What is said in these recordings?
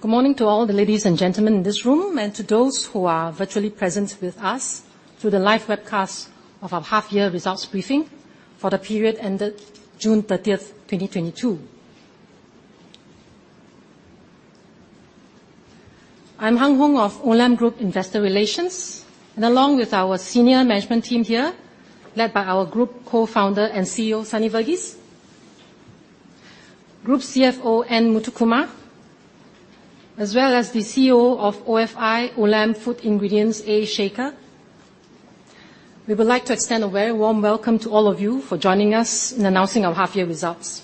Good morning to all the ladies and gentlemen in this room, and to those who are virtually present with us through the live webcast of our half year results briefing for the period ended June 30th, 2022. I'm Chow Hung Hoeng of Olam Group Investor Relations. Along with our senior management team here, led by our group co-founder and CEO, Sunny Verghese, Group CFO, N. Muthukumar, as well as the CEO of ofi Olam Food Ingredients, A. Shekhar. We would like to extend a very warm welcome to all of you for joining us in announcing our half year results.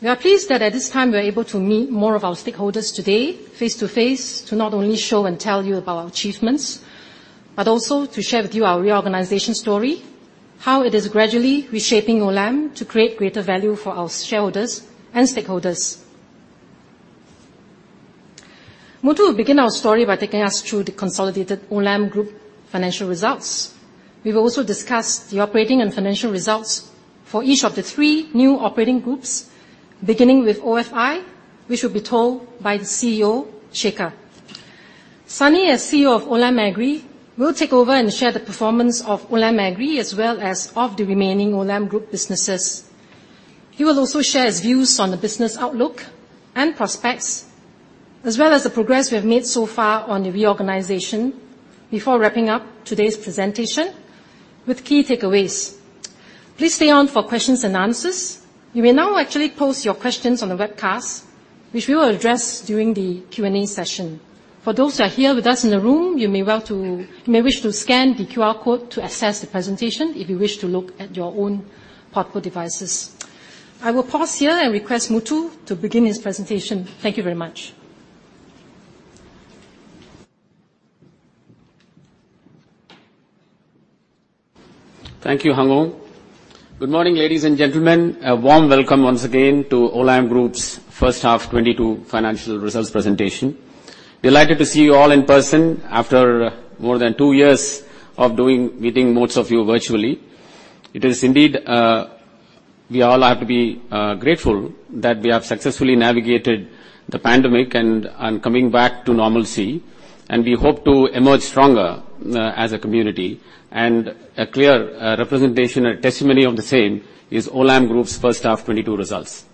We are pleased that at this time we are able to meet more of our stakeholders today face-to-face to not only show and tell you about our achievements, but also to share with you our reorganization story, how it is gradually reshaping Olam to create greater value for our shareholders and stakeholders. Muthu will begin our story by taking us through the consolidated Olam Group financial results. We will also discuss the operating and financial results for each of the three new operating groups, beginning with ofi, which will be told by the CEO, Shekhar. Sunny, as CEO of Olam Agri, will take over and share the performance of Olam Agri as well as of the remaining Olam Group businesses. He will also share his views on the business outlook and prospects, as well as the progress we have made so far on the reorganization before wrapping up today's presentation with key takeaways. Please stay on for questions and answers. You may now actually post your questions on the webcast, which we will address during the Q&A session. For those who are here with us in the room, you may wish to scan the QR code to access the presentation if you wish to look at your own portable devices. I will pause here and request Muthu to begin his presentation. Thank you very much. Thank you, Hung Hoeng. Good morning, ladies and gentlemen. A warm welcome once again to Olam Group's H1, 2022 financial results presentation. Delighted to see you all in person after more than two years of meeting most of you virtually. It is indeed we all have to be grateful that we have successfully navigated the pandemic and are coming back to normalcy, and we hope to emerge stronger as a community. A clear representation or testimony of the same is Olam Group's H1, 2022 results.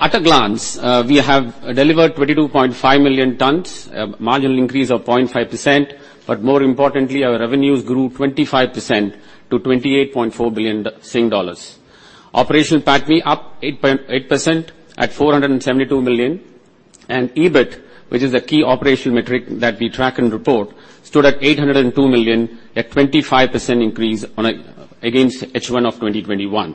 At a glance, we have delivered 22.5 million tonnes, a marginal increase of 0.5%. More importantly, our revenues grew 25% to 28.4 billion Sing dollars. Operational PATMI up 8.8% at 472 million. EBIT, which is a key operational metric that we track and report, stood at 802 million, a 25% increase against H1 of 2021.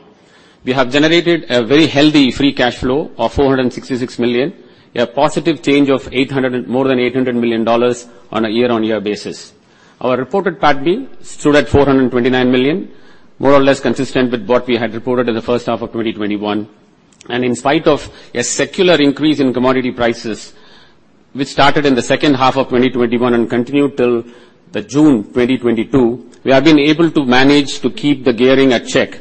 We have generated a very healthy free cash flow of 466 million, a positive change of more than $800 million on a year-on-year basis. Our reported PATMI stood at 429 million, more or less consistent with what we had reported in the H1 of 2021. In spite of a secular increase in commodity prices, which started in the H2 of 2021 and continued till June 2022, we have been able to manage to keep the gearing in check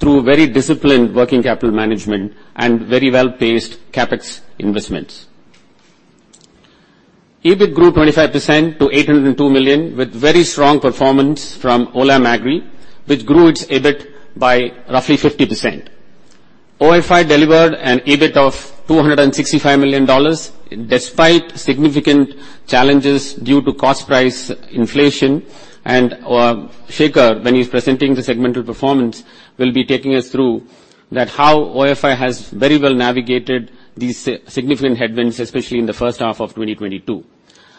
through very disciplined working capital management and very well-paced CapEx investments. EBIT grew 25% to 802 million, with very strong performance from Olam Agri, which grew its EBIT by roughly 50%. ofi delivered an EBIT of 265 million dollars despite significant challenges due to cost price inflation. Shekhar, when he's presenting the segmental performance, will be taking us through that how ofi has very well navigated these significant headwinds, especially in the H1 of 2022.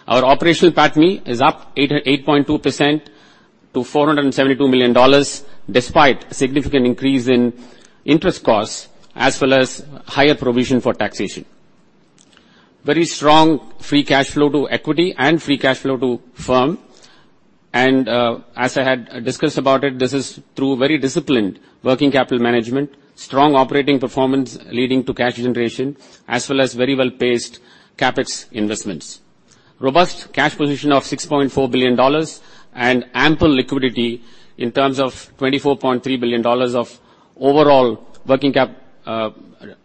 Our operational PATMI is up 8.2% to 472 million dollars, despite significant increase in interest costs as well as higher provision for taxation. Very strong free cash flow to equity and free cash flow to firm. As I had discussed about it, this is through very disciplined working capital management, strong operating performance leading to cash generation, as well as very well-paced CapEx investments. Robust cash position of 6.4 billion dollars and ample liquidity in terms of 24.3 billion dollars of overall working capital,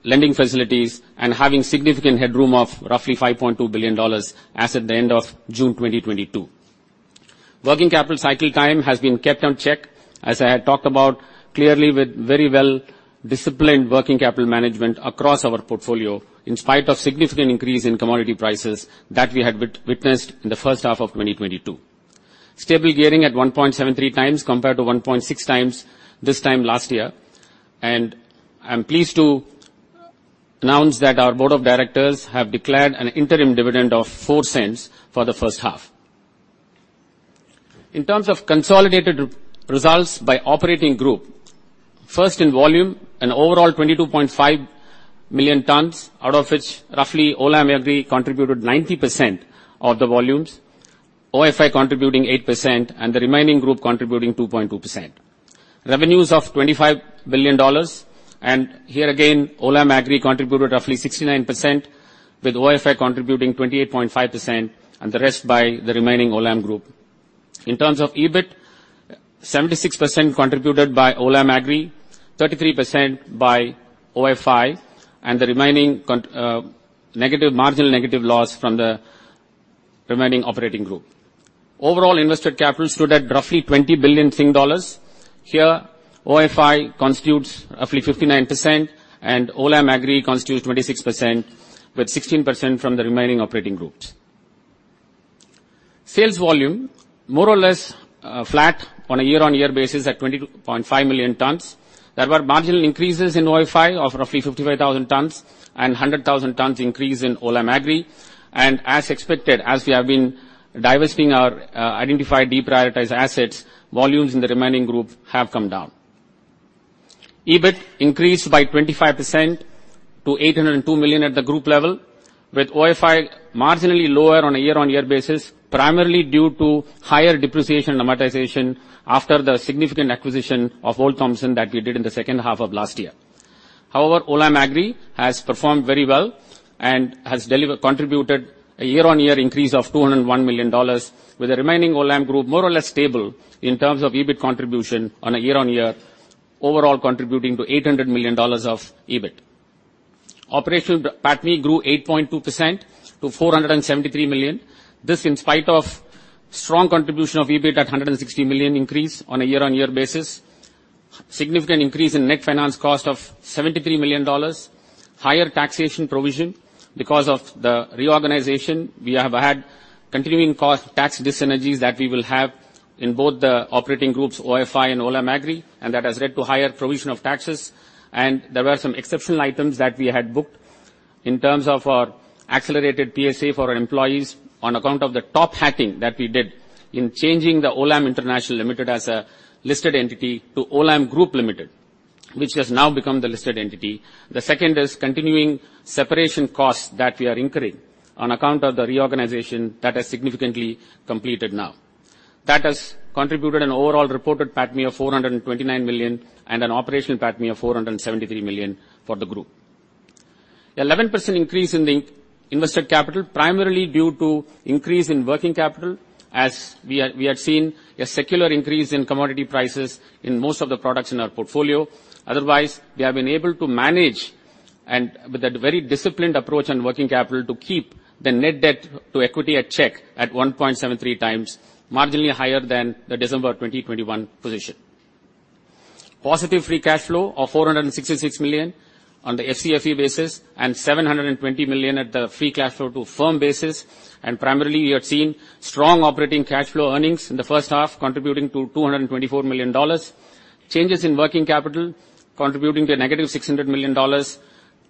lending facilities and having significant headroom of roughly 5.2 billion dollars as at the end of June 2022. Working capital cycle time has been kept in check, as I had talked about clearly with very well-disciplined working capital management across our portfolio, in spite of significant increase in commodity prices that we had witnessed in the H1 of 2022. Stable gearing at 1.73x compared to 1.6x this time last year. I am pleased to announce that our board of directors have declared an interim dividend of 0.04 for the H1. In terms of consolidated results by operating group, first in volume, an overall 22.5 million tonnes, out of which roughly Olam Agri contributed 90% of the volumes, ofi contributing 8%, and the remaining group contributing 2.2%. Revenues of 25 billion dollars, and here again, Olam Agri contributed roughly 69%, with ofi contributing 28.5%, and the rest by the remaining Olam group. In terms of EBIT, 76% contributed by Olam Agri, 33% by ofi, and the remaining marginal negative loss from the remaining operating group. Overall invested capital stood at roughly 20 billion Sing dollars. Here, ofi constitutes roughly 59% and Olam Agri constitutes 26%, with 16% from the remaining operating groups. Sales volume, more or less, flat on a year-on-year basis at 22.5 million tons. There were marginal increases in ofi of roughly 55,000 tons and 100,000 tons increase in Olam Agri. As expected, as we have been divesting our identified deprioritized assets, volumes in the remaining group have come down. EBIT increased by 25% to 802 million at the group level, with ofi marginally lower on a year-on-year basis, primarily due to higher depreciation and amortization after the significant acquisition of Olde Thompson that we did in the H2 of last year. However, Olam Agri has performed very well and has contributed a year-on-year increase of 201 million dollars, with the remaining Olam group more or less stable in terms of EBIT contribution on a year-on-year, overall contributing to 800 million dollars of EBIT. Operational PATMI grew 8.2% to 473 million. This in spite of strong contribution of EBIT at $160 million increase on a year-over-year basis. Significant increase in net finance cost of $73 million. Higher taxation provision. Because of the reorganization, we have had continuing cost and tax dis-synergies that we will have in both the operating groups, ofi and Olam Agri, and that has led to higher provision of taxes. There were some exceptional items that we had booked in terms of our accelerated PSA for our employees on account of the top-hatting that we did in changing Olam International Limited as a listed entity to Olam Group Limited, which has now become the listed entity. The second is continuing separation costs that we are incurring on account of the reorganization that has significantly completed now. That has contributed an overall reported PATMI of 429 million and an operational PATMI of 473 million for the group. 11% increase in the invested capital, primarily due to increase in working capital, as we had seen a secular increase in commodity prices in most of the products in our portfolio. Otherwise, we have been able to manage and with a very disciplined approach on working capital to keep the net debt to equity in check at 1.73x, marginally higher than the December 2021 position. Positive free cash flow of 466 million on the FCFE basis and 720 million at the free cash flow to firm basis. Primarily, we have seen strong operating cash flow earnings in the H1, contributing to $224 million. Changes in working capital contributing to a negative $600 million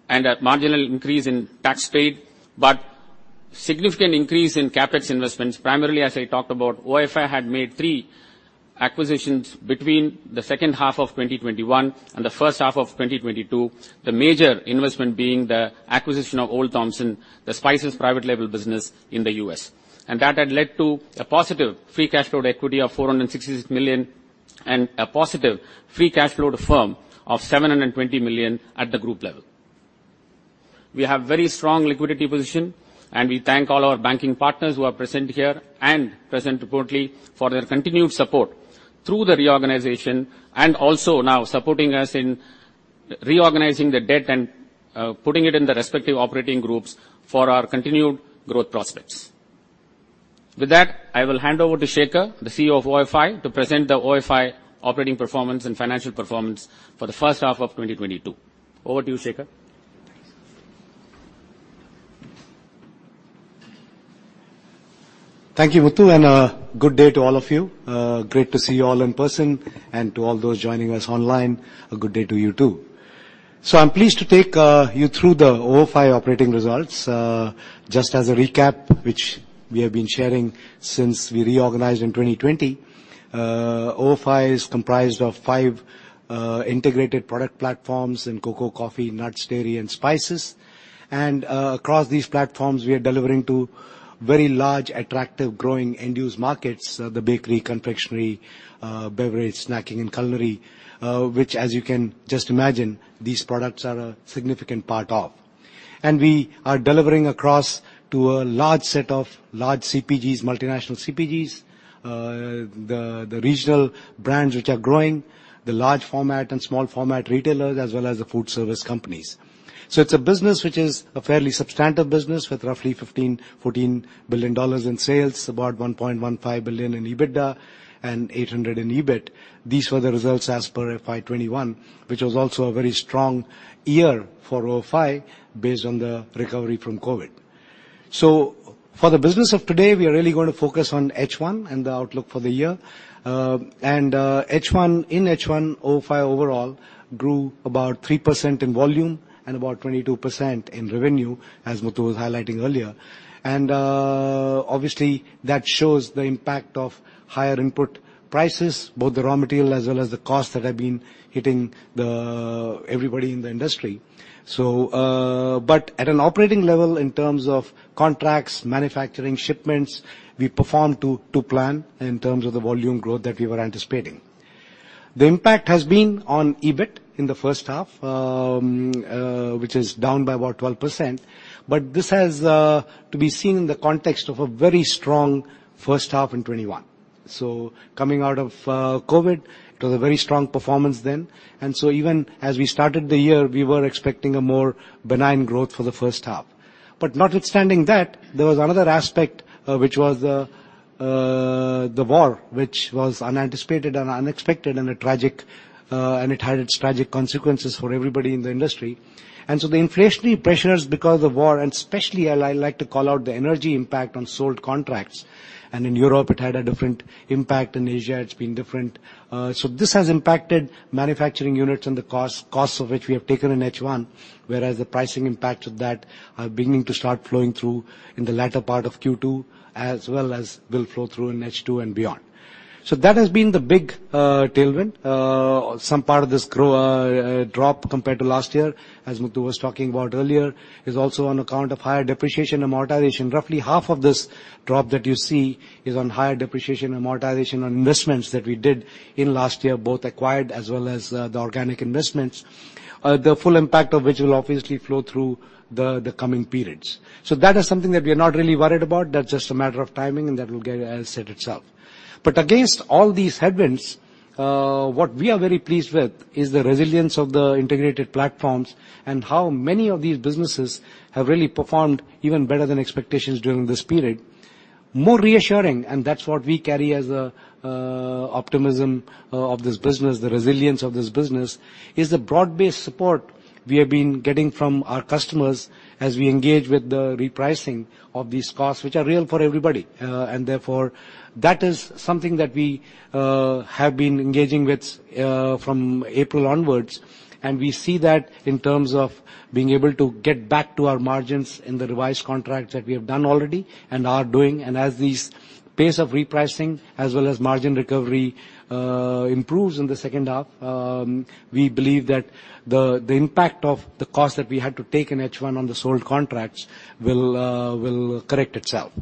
and a marginal increase in tax paid, but significant increase in CapEx investments. Primarily, as I talked about, ofi had made three acquisitions between the H2 of 2021 and the H1 of 2022. The major investment being the acquisition of Old Thompson, the spices private label business in the U.S. That had led to a positive free cash flow to equity of 466 million and a positive free cash flow to firm of 720 million at the group level. We have very strong liquidity position, and we thank all our banking partners who are present here and present remotely for their continued support through the reorganization and also now supporting us in reorganizing the debt and putting it in the respective operating groups for our continued growth prospects. With that, I will hand over to Shekhar, the CEO of ofi, to present the ofi operating performance and financial performance for the H1 of 2022. Over to you, Shekhar. Thank you, Muthu, and a good day to all of you. Great to see you all in person, and to all those joining us online, a good day to you, too. I'm pleased to take you through the ofi operating results. Just as a recap, which we have been sharing since we reorganized in 2020, ofi is comprised of five integrated product platforms in cocoa, coffee, nuts, dairy and spices. Across these platforms, we are delivering to very large, attractive, growing end-use markets, the bakery, confectionery, beverage, snacking and culinary, which as you can just imagine, these products are a significant part of. We are delivering across to a large set of large CPGs, multinational CPGs, the regional brands which are growing, the large format and small format retailers, as well as the food service companies. It's a business which is a fairly substantive business with roughly 14/15 billion in sales, about 1.15 billion in EBITDA, and 800 million in EBIT. These were the results as per FY21, which was also a very strong year for ofi based on the recovery from COVID. For the business of today, we are really gonna focus on H1 and the outlook for the year. In H1, ofi overall grew about 3% in volume and about 22% in revenue, as Muthu was highlighting earlier. Obviously, that shows the impact of higher input prices, both the raw material as well as the costs that have been hitting everybody in the industry. At an operating level, in terms of contracts, manufacturing, shipments, we performed to plan in terms of the volume growth that we were anticipating. The impact has been on EBIT in the H1, which is down by about 12%. This has to be seen in the context of a very strong H1 in 2021. Coming out of COVID, it was a very strong performance then. Even as we started the year, we were expecting a more benign growth for the H1. Notwithstanding that, there was another aspect, which was the war, which was unanticipated and unexpected, and tragic, and it had its tragic consequences for everybody in the industry. The inflationary pressures because of war, and especially I like to call out the energy impact on sold contracts. In Europe, it had a different impact, in Asia it's been different. This has impacted manufacturing units and the costs of which we have taken in H1, whereas the pricing impact of that are beginning to start flowing through in the latter part of Q2, as well as will flow through in H2 and beyond. That has been the big tailwind. Some part of this drop compared to last year, as Muthu was talking about earlier, is also on account of higher depreciation amortization. Roughly half of this drop that you see is on higher depreciation amortization on investments that we did in last year, both acquired as well as the organic investments. The full impact of which will obviously flow through the coming periods. That is something that we are not really worried about, that's just a matter of timing, and that will sort itself. Against all these headwinds, what we are very pleased with is the resilience of the integrated platforms and how many of these businesses have really performed even better than expectations during this period. More reassuring, and that's what we carry as our optimism of this business, the resilience of this business, is the broad-based support we have been getting from our customers as we engage with the repricing of these costs, which are real for everybody. Therefore, that is something that we have been engaging with from April onwards. We see that in terms of being able to get back to our margins in the revised contracts that we have done already and are doing. As this pace of repricing as well as margin recovery improves in the H2, we believe that the impact of the cost that we had to take in H1 on the sold contracts will correct itself.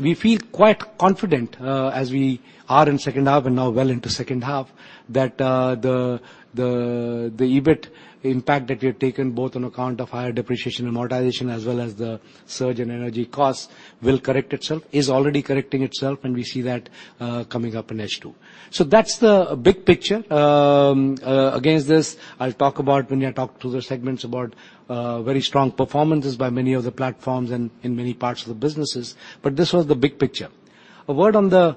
We feel quite confident, as we are in H2 and now well into H2, that the EBIT impact that we have taken both on account of higher depreciation and amortization as well as the surge in energy costs will correct itself, is already correcting itself, and we see that coming up in H2. That's the big picture. Against this, I'll talk about when we talk to the segments about very strong performances by many of the platforms and in many parts of the businesses. This was the big picture. A word on the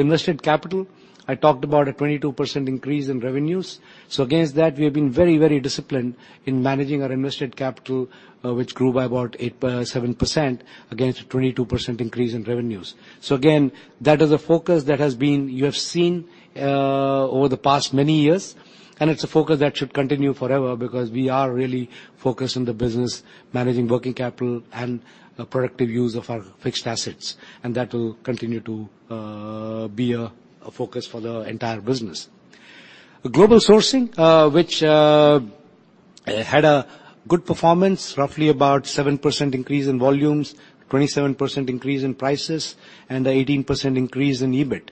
invested capital. I talked about a 22% increase in revenues. Against that, we have been very, very disciplined in managing our invested capital, which grew by about 7% against a 22% increase in revenues. Again, that is a focus that has been, you have seen over the past many years, and it's a focus that should continue forever because we are really focused on the business managing working capital and the productive use of our fixed assets. That will continue to be a focus for the entire business. Global Sourcing, which had a good performance, roughly about 7% increase in volumes, 27% increase in prices, and 18% increase in EBIT.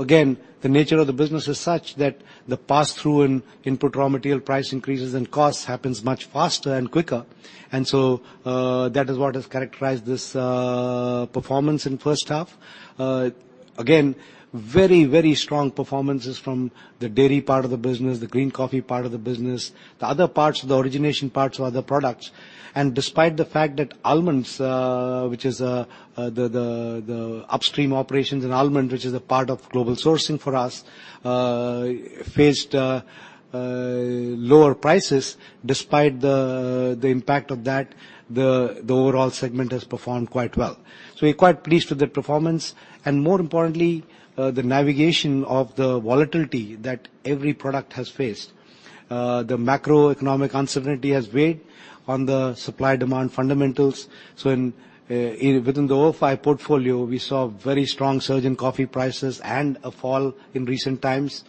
Again, the nature of the business is such that the pass-through in input raw material price increases and costs happens much faster and quicker. That is what has characterized this performance in H1. Again, very strong performances from the dairy part of the business, the green coffee part of the business, the other parts, the origination parts of other products. Despite the fact that almonds, which is the upstream operations in almond, which is a part of Global Sourcing for us, faced lower prices. Despite the impact of that, the overall segment has performed quite well. We're quite pleased with the performance, and more importantly, the navigation of the volatility that every product has faced. The macroeconomic uncertainty has weighed on the supply-demand fundamentals. Within the ofi portfolio, we saw a very strong surge in coffee prices and a fall in recent times.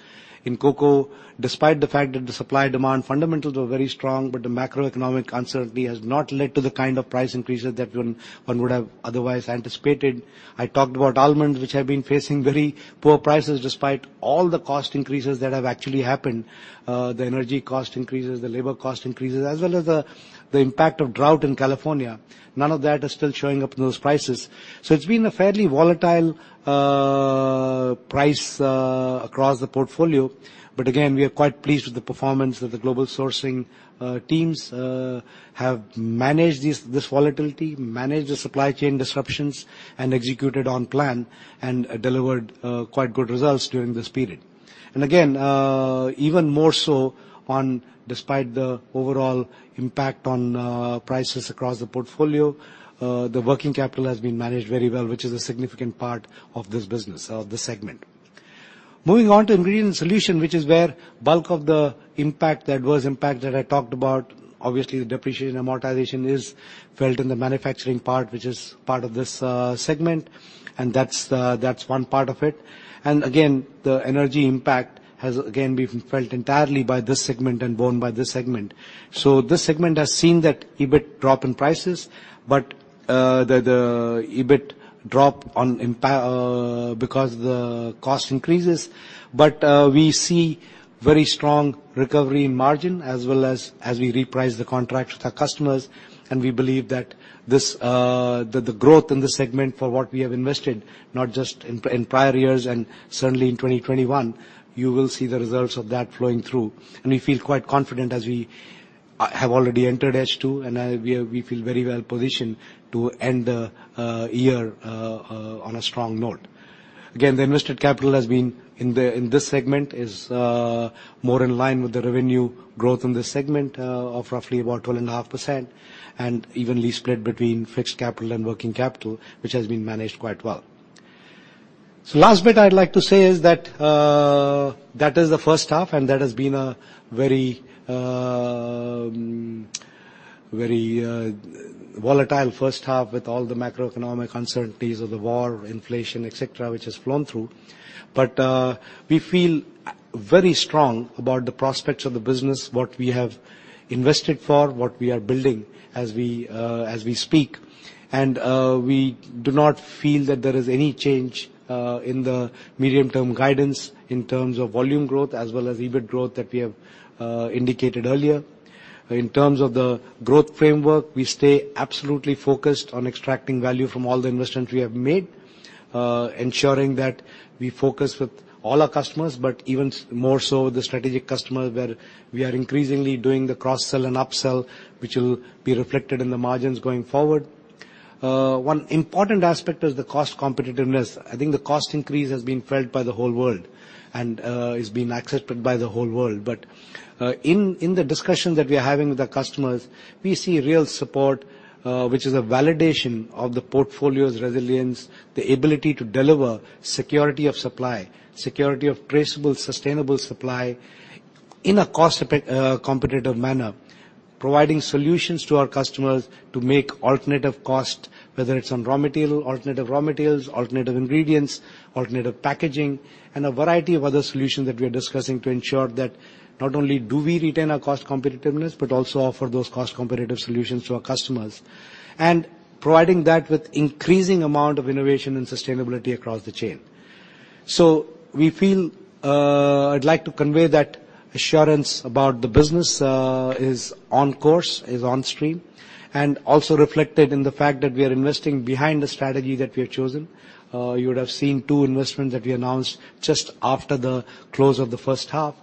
In cocoa, despite the fact that the supply-demand fundamentals were very strong, but the macroeconomic uncertainty has not led to the kind of price increases that one would have otherwise anticipated. I talked about almonds, which have been facing very poor prices despite all the cost increases that have actually happened. The energy cost increases, the labor cost increases, as well as the impact of drought in California. None of that is still showing up in those prices. It's been a fairly volatile price across the portfolio. We are quite pleased with the performance of the Global Sourcing teams. They have managed this volatility, managed the supply chain disruptions, and executed on plan, and delivered quite good results during this period. Even more so, despite the overall impact on prices across the portfolio, the working capital has been managed very well, which is a significant part of this business, of this segment. Moving on to Ingredient Solutions, which is where the bulk of the impact that was impacted, I talked about, obviously, the depreciation and amortization is felt in the manufacturing part, which is part of this segment. That's one part of it. The energy impact has again been felt entirely by this segment and borne by this segment. This segment has seen that EBIT drop in prices, but the EBIT drop on impact, because the cost increases. We see very strong recovery in margin as well as we reprice the contracts with our customers. We believe that the growth in this segment for what we have invested, not just in prior years and certainly in 2021, you will see the results of that flowing through. We feel quite confident as we have already entered H2, and we feel very well positioned to end the year on a strong note. Again, the invested capital has been in this segment is more in line with the revenue growth in this segment of roughly about 12.5%, and evenly spread between fixed capital and working capital, which has been managed quite well. Last bit I'd like to say is that that is the H1, and that has been a very volatile H1 with all the macroeconomic uncertainties of the war, inflation, et cetera, which has flowed through. We feel very strong about the prospects of the business, what we have invested for, what we are building as we speak. We do not feel that there is any change in the medium-term guidance in terms of volume growth as well as EBIT growth that we have indicated earlier. In terms of the growth framework, we stay absolutely focused on extracting value from all the investments we have made, ensuring that we focus with all our customers, but even more so the strategic customer where we are increasingly doing the cross-sell and upsell, which will be reflected in the margins going forward. One important aspect is the cost competitiveness. I think the cost increase has been felt by the whole world and is being accepted by the whole world. In the discussions that we're having with our customers, we see real support, which is a validation of the portfolio's resilience, the ability to deliver security of supply, security of traceable, sustainable supply in a cost competitive manner. Providing solutions to our customers to make alternative cost, whether it's on raw material, alternative raw materials, alternative ingredients, alternative packaging, and a variety of other solutions that we are discussing to ensure that not only do we retain our cost competitiveness, but also offer those cost-competitive solutions to our customers. Providing that with increasing amount of innovation and sustainability across the chain. We feel, I'd like to convey that assurance about the business is on course, is on stream, and also reflected in the fact that we are investing behind the strategy that we have chosen. You would have seen two investments that we announced just after the close of the H1.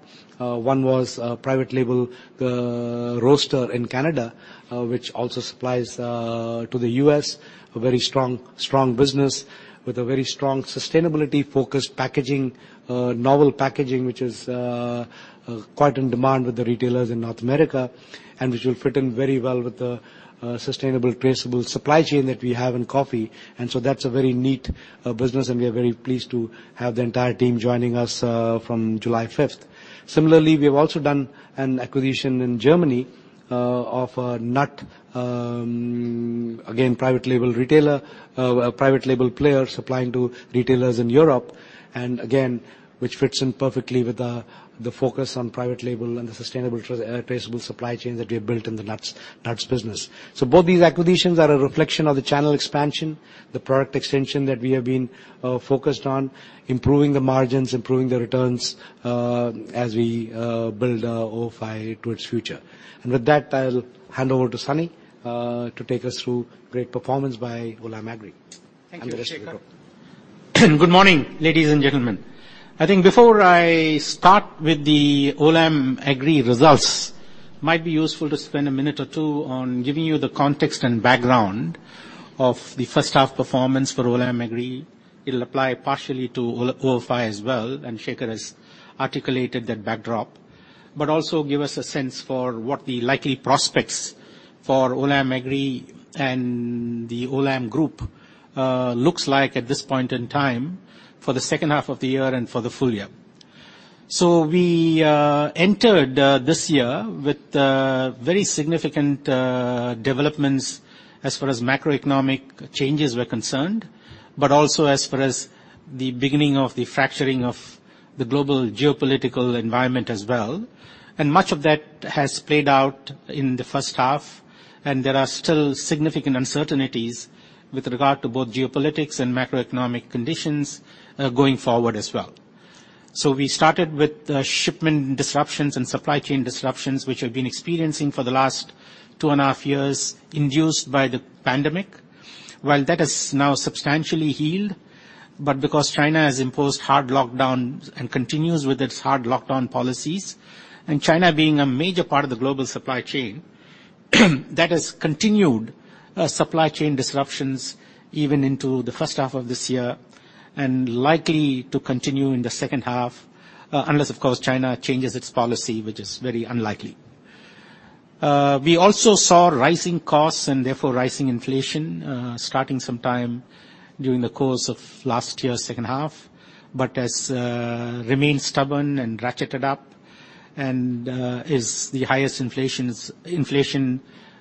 One was a private label roaster in Canada, which also supplies to the U.S. A very strong business with a very strong sustainability-focused packaging, novel packaging, which is quite in demand with the retailers in North America and which will fit in very well with the sustainable traceable supply chain that we have in coffee. That's a very neat business, and we are very pleased to have the entire team joining us from July 5th. Similarly, we have also done an acquisition in Germany of a nut, again, private label retailer, a private label player supplying to retailers in Europe, and again, which fits in perfectly with the focus on private label and the sustainable traceable supply chain that we have built in the nuts business Both these acquisitions are a reflection of the channel expansion, the product extension that we have been focused on, improving the margins, improving the returns, as we build ofi to its future. With that, I'll hand over to Sunny to take us through great performance by Olam Agri. Thank you, Shekhar. Good morning, ladies and gentlemen. I think before I start with the Olam Agri results, it might be useful to spend a minute or two on giving you the context and background of the H1 performance for Olam Agri. It'll apply partially to ofi as well, and Shekhar has articulated that backdrop. Also give us a sense for what the likely prospects for Olam Agri and the Olam Group looks like at this point in time for the H2 of the year and for the full year. We entered this year with very significant developments as far as macroeconomic changes were concerned, but also as far as the beginning of the fracturing of the global geopolitical environment as well. Much of that has played out in the H1, and there are still significan uncertainties with regard to both geopolitics and macroeconomic conditions, going forward as well. We started with shipment disruptions and supply chain disruptions, which we've been experiencing for the last two and a half years induced by the pandemic. While that has now substantially healed, but because China has imposed hard lockdowns and continues with its hard lockdown policies, and China being a major part of the global supply chain, that has continued supply chain disruptions even into the H1 of this year and likely to continue in the H2, unless, of course, China changes its policy, which is very unlikely. We also saw rising costs and therefore rising inflation starting some time during the course of last year's H2, but has remained stubborn and ratcheted up and is the highest inflation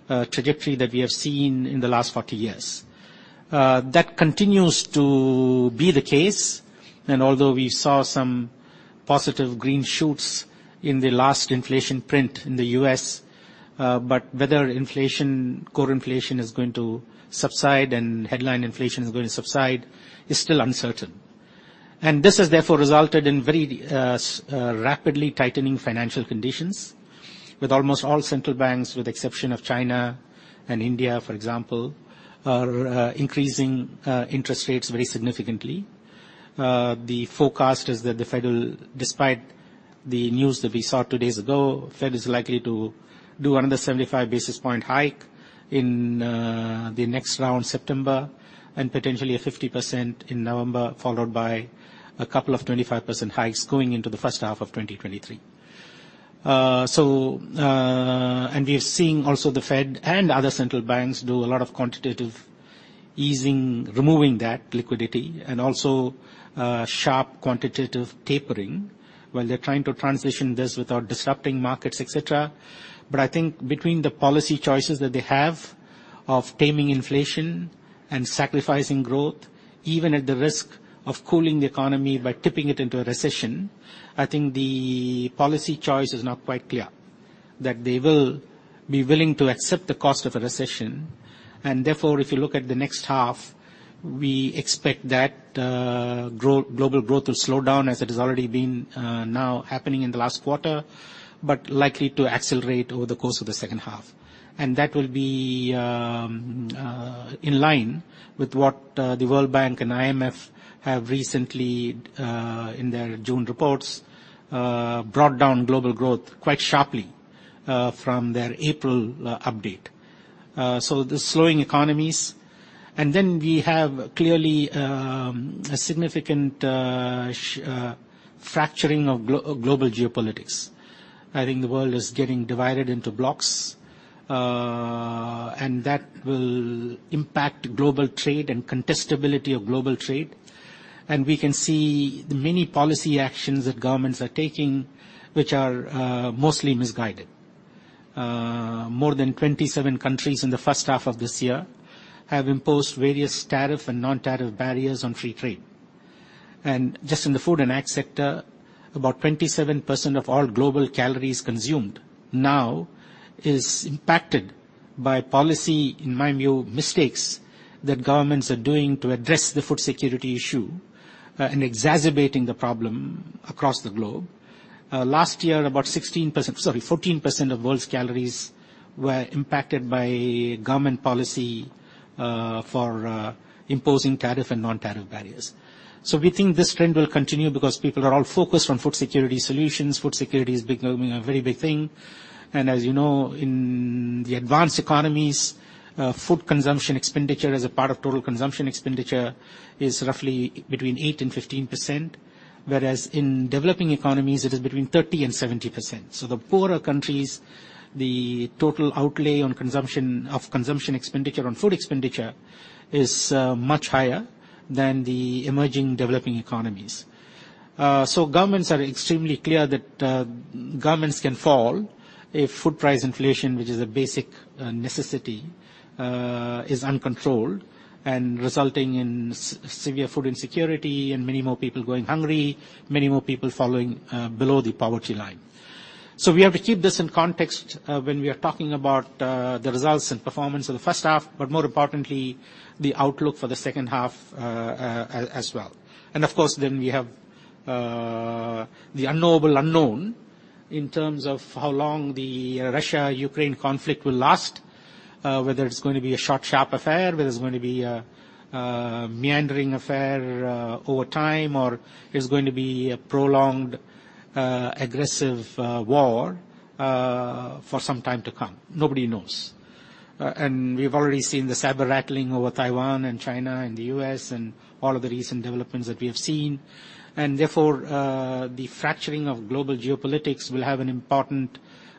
trajectory that we have seen in the last 40 years. That continues to be the case, and although we saw some positive green shoots in the last inflation print in the U.S., but whether inflation, core inflation is going to subside and headline inflation is going to subside is still uncertain. This has therefore resulted in very rapidly tightening financial conditions with almost all central banks, with the exception of China and India, for example, are increasing interest rates very significantly. The forecast is that the Federal Reserve, despite the news that we saw two days ago, Fed is likely to do another 75 basis point hike in the next round, September, and potentially a 50% in November, followed by a couple of 25% hikes going into the H1 of 2023. We are seeing also the Fed and other central banks do a lot of quantitative easing, removing that liquidity, and also, sharp quantitative tapering while they're trying to transition this without disrupting markets, et cetera. I think between the policy choices that they have of taming inflation and sacrificing growth, even at the risk of cooling the economy by tipping it into a recession, I think the policy choice is now quite clear, that they will be willing to accept the cost of a recession. If you look at the next half, we expect that, global growth will slow down as it has already been, now happening in the last quarter, but likely to accelerate over the course of the H2. That will be in line with what the World Bank and IMF have recently in their June reports brought down global growth quite sharply from their April update. The slowing economies. We have clearly a significant fracturing of global geopolitics. I think the world is getting divided into blocks and that will impact global trade and contestability of global trade. We can see the many policy actions that governments are taking, which are mostly misguided. More than 27 countries in the H1 of this year have imposed various tariff and non-tariff barriers on free trade. Just in the food and Ag sector, about 27% of all global calories consumed now is impacted by policy, in my view, mistakes that governments are doing to address the food security issue, and exacerbating the problem across the globe. Last year, about 14% of the world's calories were impacted by government policy for imposing tariff and non-tariff barriers. We think this trend will continue because people are all focused on food security solutions. Food security is becoming a very big thing. As you know, in the advanced economies, food consumption expenditure as a part of total consumption expenditure is roughly between 8% and 15%, whereas in developing economies, it is between 30% and 70%. The poorer countries, the total outlay on consumption. Of consumption expenditure on food expenditure is much higher in the emerging and developing economies. Governments are extremely clear that governments can fall if food price inflation, which is a basic necessity, is uncontrolled and resulting in severe food insecurity and many more people going hungry, many more people falling below the poverty line. We have to keep this in context when we are talking about the results and performance of the H1, but more importantly, the outlook for the H2, as well. Of course, then we have the unknowable unknown in terms of how long the Russia-Ukraine conflict will last, whether it's going to be a short, sharp affair, whether it's going to be a meandering affair over time, or it's going to be a prolonged aggressive war for some time to come. Nobody knows. We've already seen the sabre-rattling over Taiwan and China and the U.S. and all of the recent developments that we have seen. Therefore, the fracturing of global geopolitics will have an important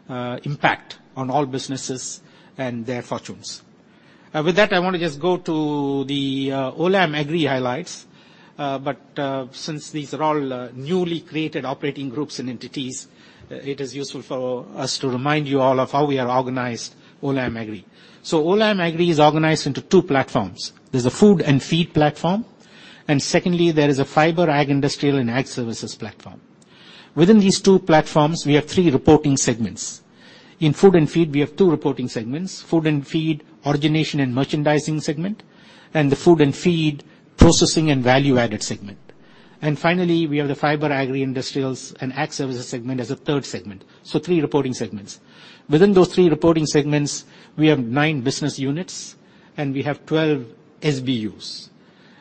impact on all businesses and their fortunes. With that, I wanna just go to the Olam Agri highlights but since these are all newly created operating groups and entities, it is useful for us to remind you all of how we are organized Olam Agri. Olam Agri is organized into two platforms. There's the Food and Feed platform, and secondly, there is a Fiber, Agri- industrial, and Ag Services platform. Within these two platforms, we have three reporting segments. In Food and Feed, we have two reporting segments. Food and Feed, origination and merchandising segment, and the Food and Feed, processing and value-added segment. And finally, we have the Fiber, Agri-industrials, and Ag Services segment as a third segment. Three reporting segments. Within those three reporting segments, we have nine business units, and we have 12 SBUs.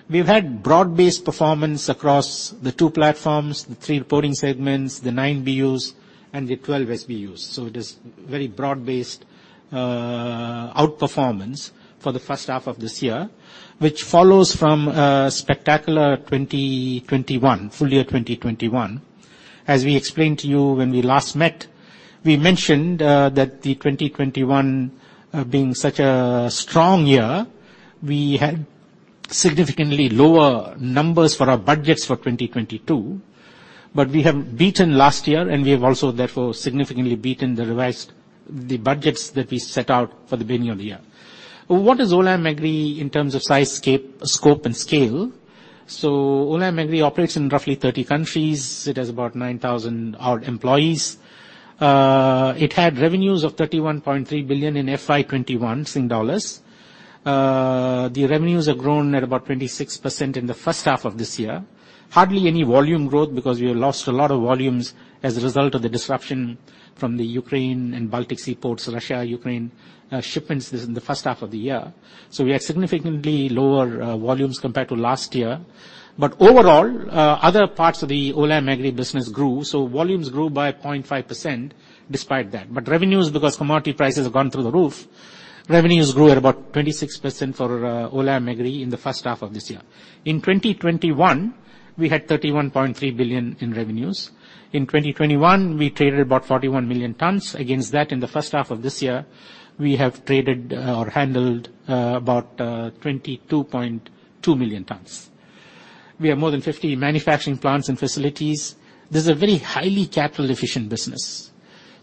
We've had broad-based performance across the two platforms, the three reporting segments, the nine BUs, and the 12 SBUs. It is very broad-based, outperformance for the H1 of this year, which follows from a spectacular 2021, full year 2021. As we explained to you when we last met, we mentioned that 2021 being such a strong year, we had significantly lower numbers for our budgets for 2022, but we have beaten last year, and we have also, therefore, significantly beaten the revised the budgets that we set out for the beginning of the year. What is Olam Agri in terms of size, shape, scope, and scale? Olam Agri operates in roughly 30 countries. It has about 9,000-odd employees. It had revenues of 31.3 billion in FY 2021. The revenues have grown at about 26% in the H1 of this year. Hardly any volume growth because we lost a lot of volumes as a result of the disruption from the Ukraine and Baltic Sea ports, Russia-Ukraine shipments in the H1 of the year. We had significantly lower volumes compared to last year. Overall, other parts of the Olam Agri business grew, so volumes grew by 0.5% despite that. Revenues, because commodity prices have gone through the roof, revenues grew at about 26% for Olam Agri in the H1 of this year. In 2021, we had 31.3 billion in revenues. In 2021, we traded about 41 million tons. Against that, in the H1 of this year, we have traded or handled about 22.2 million tons. We have more than 50 manufacturing plants and facilities. There is a very highly capital efficient business.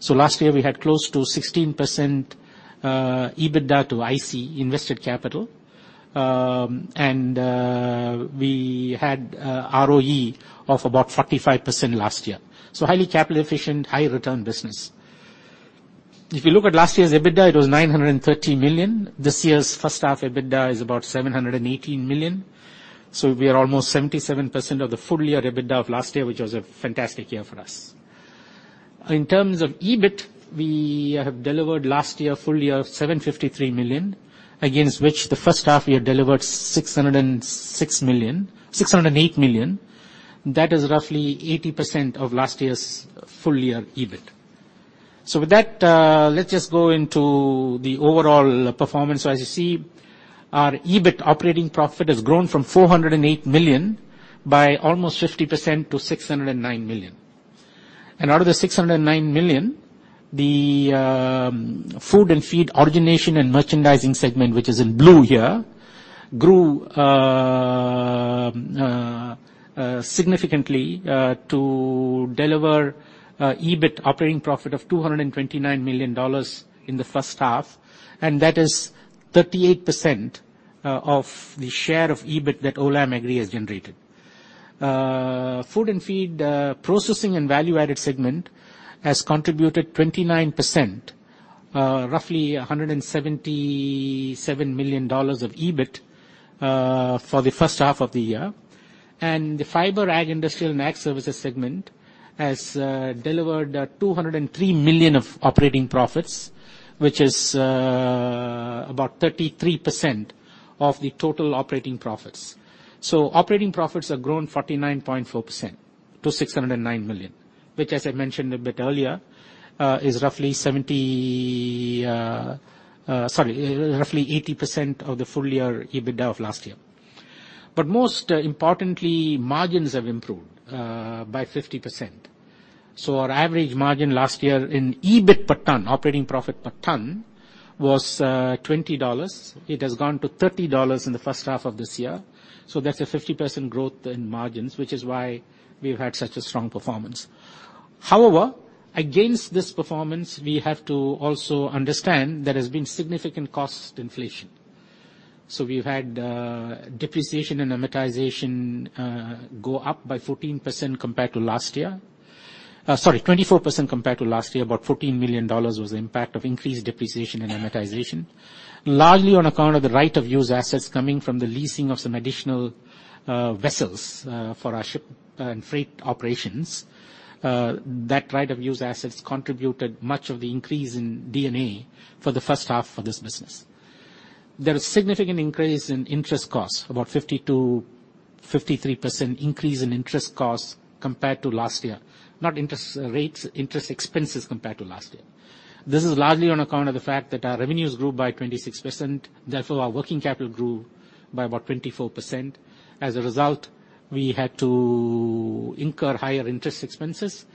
Last year we had close to 16% EBITDA to IC, invested capital. We had ROE of about 45% last year. Highly capital efficient, high return business. If you look at last year's EBITDA, it was 930 million. This year's H1, EBITDA is about 718 million. We are almost 77% of the full year EBITDA of last year, which was a fantastic year for us. In terms of EBIT, we have delivered last year, full year, 753 million, against which the H1 we had delivered 608 million. That is roughly 80% of last year's full year EBIT. With that, let's just go into the overall performance. As you see, our EBIT operating profit has grown from 408 million by almost 50% to 609 million. Out of the 609 million, the Food and Feed origination and merchandising segment, which is in blue here, grew significantly to deliver EBIT operating profit of 229 million dollars in the H1, and that is 38% of the share of EBIT that Olam Agri has generated. Food and feed processing and value-added segment has contributed 29%, roughly 177 million dollars of EBIT, for the H1 of the year. The Fiber, Ag-Industrial, and Ag Services segment has delivered 203 million of operating profits, which is about 33% of the total operating profits. Operating profits have grown 49.4% to 609 million, which as I mentioned a bit earlier is roughly 80% of the full year EBITDA of last year. Most importantly, margins have improved by 50%. Our average margin last year in EBIT per ton, operating profit per ton, was 20 dollars. It has gone to 30 dollars in the H1 of this year, so that's a 50% growth in margins, which is why we've had such a strong performance. However, against this performance, we have to also understand there has been significant cost inflation. We've had depreciation and amortization go up by 14% compared to last year. Sorry, 24% compared to last year. About 14 million dollars was the impact of increased depreciation and amortization, largely on account of the right of use assets coming from the leasing of some additional vessels for our Ship and Freight operations. That right of use assets contributed much of the increase in D&A for the H1 for this business. There is significant increase in interest costs, about 52%/53% increase in interest costs compared to last year. Not interest rates, interest expenses compared to last year. This is largely on account of the fact that our revenues grew by 26%, therefore, our working capital grew by about 24%. As a result, we had to incur higher interest expenses.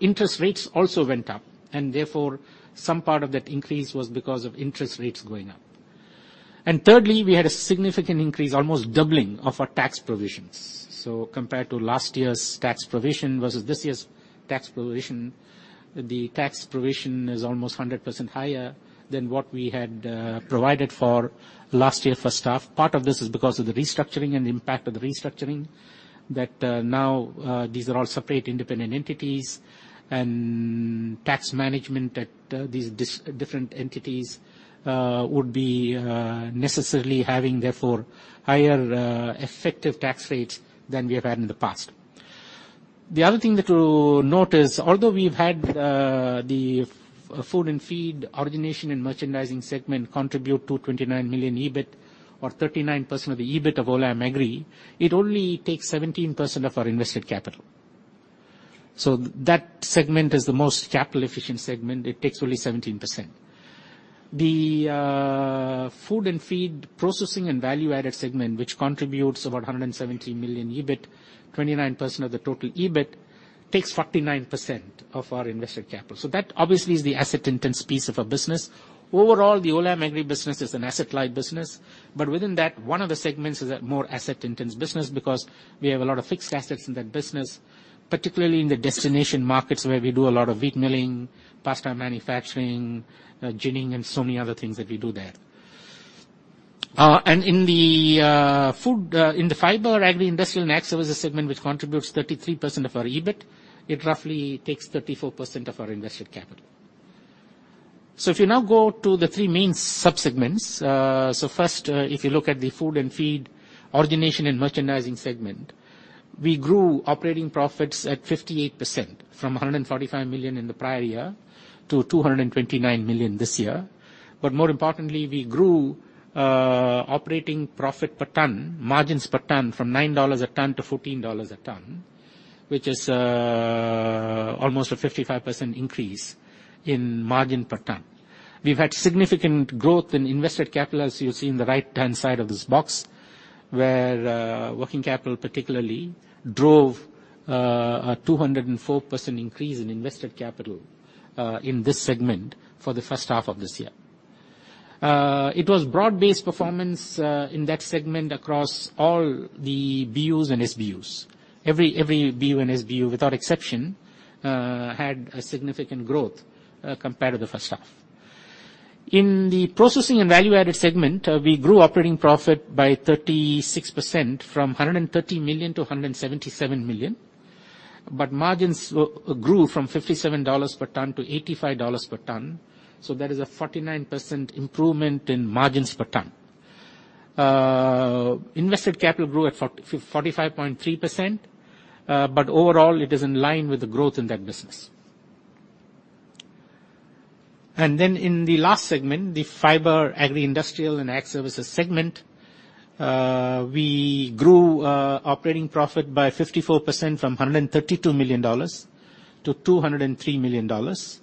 Interest rates also went up and therefore, some part of that increase was because of interest rates going up. Thirdly, we had a significant increase, almost doubling of our tax provisions. Compared to last year's tax provision versus this year's tax provision, the tax provision is almost 100% higher than what we had provided for last year H1. Part of this is because of the restructuring and the impact of the restructuring, that now these are all separate independent entities and tax management at these different entities would be necessarily having, therefore, higher effective tax rates than we have had in the past. The other thing that you'll note is, although we've had the food and feed origination and merchandising segment contribute to 29 million EBIT or 39% of the EBIT of Olam Agri, it only takes 17% of our invested capital. That segment is the most capital-efficient segment. It takes only 17%. The Food and Feed processing and value-added segment, which contributes about 170 million EBIT, 29% of the total EBIT, takes 49% of our invested capital. That obviously is the asset-intense piece of our business. Overall, the Olam Agri business is an asset-light business, but within that, one of the segments is a more asset-intensive business because we have a lot of fixed assets in that business, particularly in the destination markets where we do a lot of wheat milling, pasta manufacturing, ginning and so many other things that we do there. In the Fiber, Agri-Industrial and Ag Services segment, which contributes 33% of our EBIT, it roughly takes 34% of our invested capital. If you now go to the three main sub-segments. First, if you look at the Food and Feed origination and merchandising segment, we grew operating profits at 58% from 145 million in the prior year to 229 million this year. More importantly, we grew operating profit per ton, margins per ton from 9 dollars a ton to 14 dollars a ton, which is almost a 55% increase in margin per ton. We've had significant growth in invested capital, as you see in the right-hand side of this box, where working capital particularly drove a 204% increase in invested capital in this segment for the H1 of this year. It was broad-based performance in that segment across all the BUs and SBUs. Every BU and SBU, without exception, had a significant growth compared to the H1. In the processing and value-added segment, we grew operating profit by 36% from 130 million-177 million, but margins grew from 57 dollars per ton to 85 dollars per ton, so that is a 49% improvement in margins per ton. Invested capital grew at 45.3%, but overall it is in line with the growth in that business. In the last segment, the Fiber, Agri-Industrial and Ag Services segment, we grew operating profit by 54% from 132 million dollars- 203 million dollars.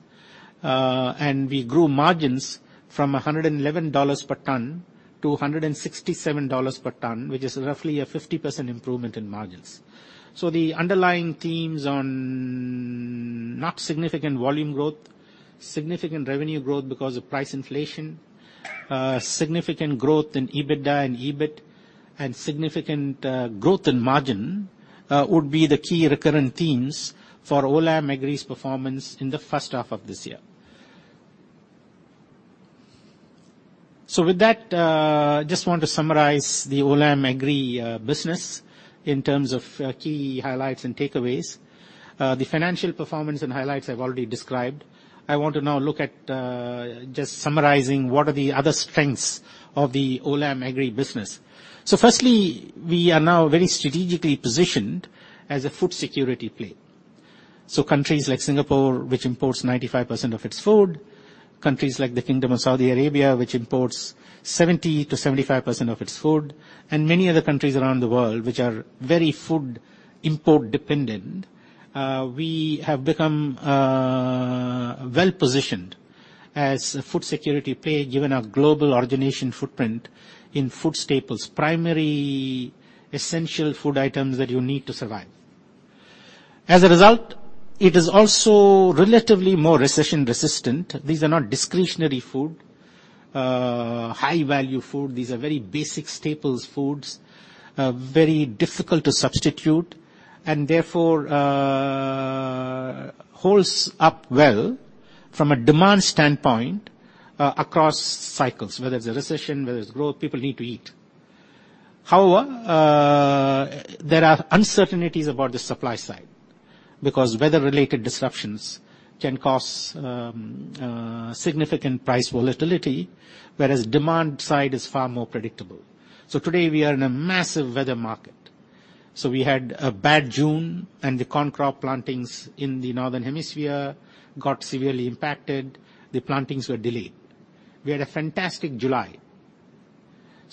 We grew margins from 111 dollars per ton to 167 dollars per ton, which is roughly a 50% improvement in margins. The underlying themes of not significant volume growth, significant revenue growth because of price inflation, significant growth in EBITDA and EBIT, and significant growth in margin would be the key recurrent themes for Olam Agri's performance in the H1 of this year. With that, just want to summarize the Olam Agri business in terms of key highlights and takeaways. The financial performance and highlights I've already described. I want to now look at just summarizing what are the other strengths of the Olam Agri business. Firstly, we are now very strategically positioned as a [Food Security page]. Countries like Singapore, which imports 95% of its food, countries like the Kingdom of Saudi Arabia, which imports 70%-75% of its food, and many other countries around the world which are very food import dependent, we have become well-positioned as a [Food Security page], given our global origination footprint in food staples, primary essential food items that you need to survive. As a result, it is also relatively more recession resistant. These are not discretionary food, high-value food. These are very basic staples foods, very difficult to substitute and therefore, holds up well from a demand standpoint, across cycles. Whether it's a recession, whether it's growth, people need to eat. However, there are uncertainties about the supply side because weather-related disruptions can cause significant price volatility, whereas demand side is far more predictable. Today we are in a massive weather market. We had a bad June, and the corn crop plantings in the Northern Hemisphere got severely impacted. The plantings were delayed. We had a fantastic July.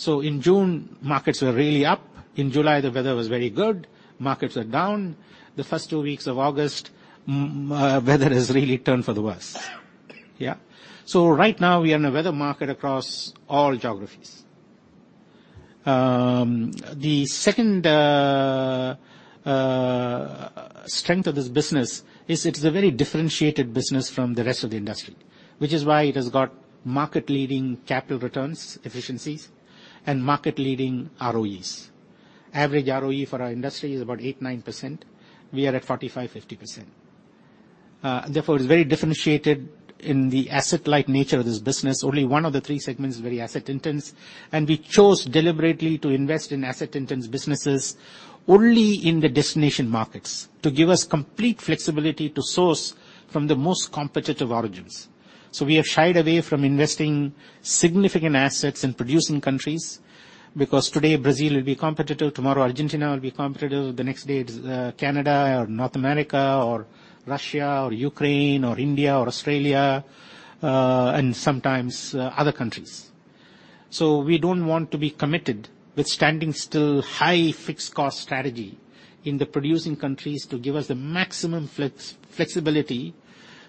In June, markets were really up. In July, the weather was very good. Markets were down. The first two weeks of August, weather has really turned for the worse. Right now we are in a weather market across all geographies. The second strength of this business is it's a very differentiated business from the rest of the industry, which is why it has got market-leading capital returns, efficiencies and market-leading ROEs. Average ROE for our industry is about 8%/9%. We are at 45%/50%. Therefore it's very differentiated in the asset-light nature of this business. Only one of the three segments is very asset intense, and we chose deliberately to invest in asset intense businesses only in the destination markets to give us complete flexibility to source from the most competitive origins. We have shied away from investing significant assets in producing countries because today Brazil will be competitive, tomorrow Argentina will be competitive, the next day it is, Canada or North America or Russia or Ukraine or India or Australia, and sometimes other countries. We don't want to be committed with standing still high fixed cost strategy in the producing countries to give us the maximum flexibility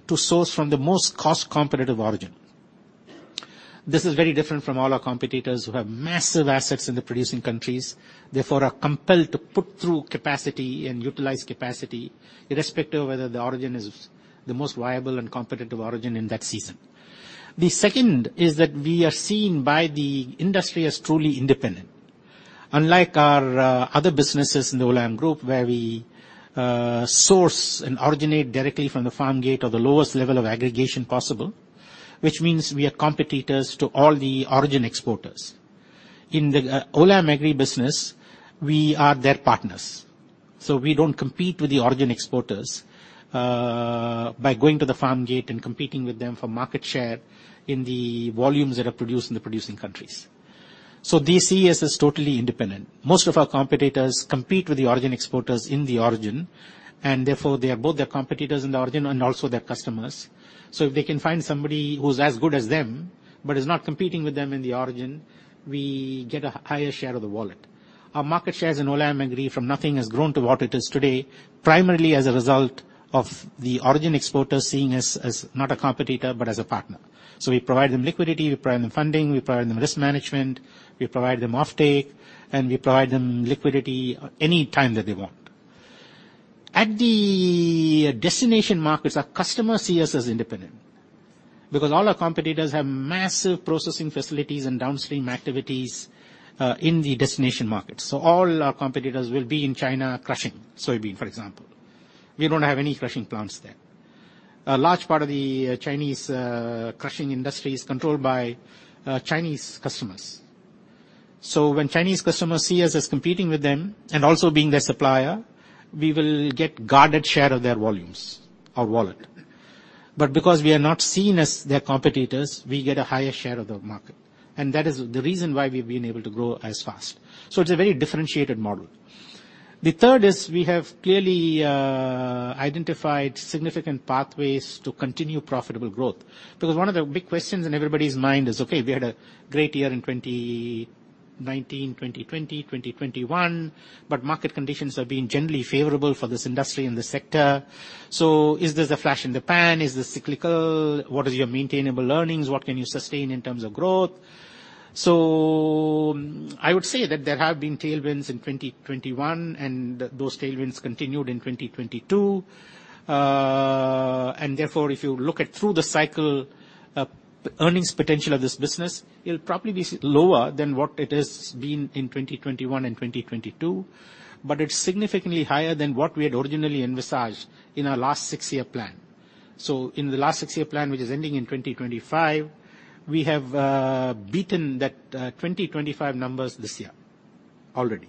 to source from the most cost competitive origin. This is very different from all our competitors who have massive assets in the producing countries, therefore, are compelled to put through capacity and utilize capacity irrespective of whether the origin is the most viable and competitive origin in that season. The second is that we are seen by the industry as truly independent. Unlike our other businesses in the Olam Group where we source and originate directly from the farm gate or the lowest level of aggregation possible, which means we are competitors to all the origin exporters. In the Olam Agri business, we are their partners. We don't compete with the origin exporters by going to the farm gate and competing with them for market share in the volumes that are produced in the producing countries. They see us as totally independent. Most of our competitors compete with the origin exporters in the origin, and therefore, they are both their competitors in the origin and also their customers. If they can find somebody who's as good as them but is not competing with them in the origin, we get a higher share of the wallet. Our market shares in Olam Agri from nothing has grown to what it is today, primarily as a result of the origin exporters seeing us as not a competitor, but as a partner. We provide them liquidity, we provide them funding, we provide them risk management, we provide them offtake, and we provide them liquidity any time that they want. At the destination markets, our customers see us as independent because all our competitors have massive processing facilities and downstream activities in the destination markets. All our competitors will be in China crushing soybean, for example. We don't have any crushing plants there. A large part of the Chinese crushing industry is controlled by Chinese customers. When Chinese customers see us as competing with them and also being their supplier, we will get guarded share of their volumes or wallet but because we are not seen as their competitors, we get a higher share of the market, and that is the reason why we've been able to grow as fast. It's a very differentiated model. The third is we have clearly identified significant pathways to continue profitable growth. Because one of the big questions in everybody's mind is, okay, we had a great year in 2019, 2020, 2021, but market conditions have been generally favorable for this industry and this sector. Is this a flash in the pan? Is this cyclical? What is your maintainable earnings? What can you sustain in terms of growth? I would say that there have been tailwinds in 2021, and those tailwinds continued in 2022. And therefore, if you look at through the cycle, earnings potential of this business, it'll probably be lower than what it has been in 2021 and 2022, but it's significantly higher than what we had originally envisaged in our last six-year plan. In the last six-year plan, which is ending in 2025, we have beaten that 2025 numbers this year already.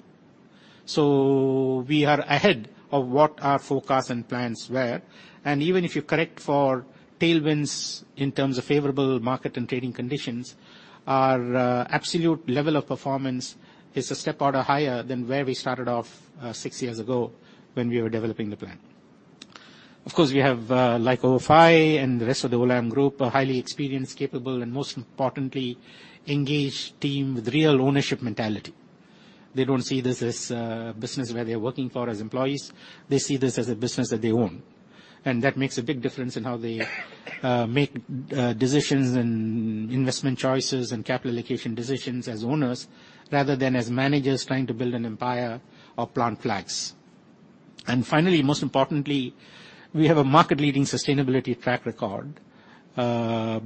We are ahead of what our forecast and plans were. Even if you correct for tailwinds in terms of favorable market and trading conditions, our absolute level of performance is a step order higher than where we started off six years ago when we were developing the plan. Of course, we have like ofi and the rest of the Olam Group, a highly experienced, capable, and most importantly, engaged team with real ownership mentality. They don't see this as a business where they're working for as employees. They see this as a business that they own. That makes a big difference in how they make decisions and investment choices and capital allocation decisions as owners rather than as managers trying to build an empire or plant flags. Finally, most importantly, we have a market-leading sustainability track record,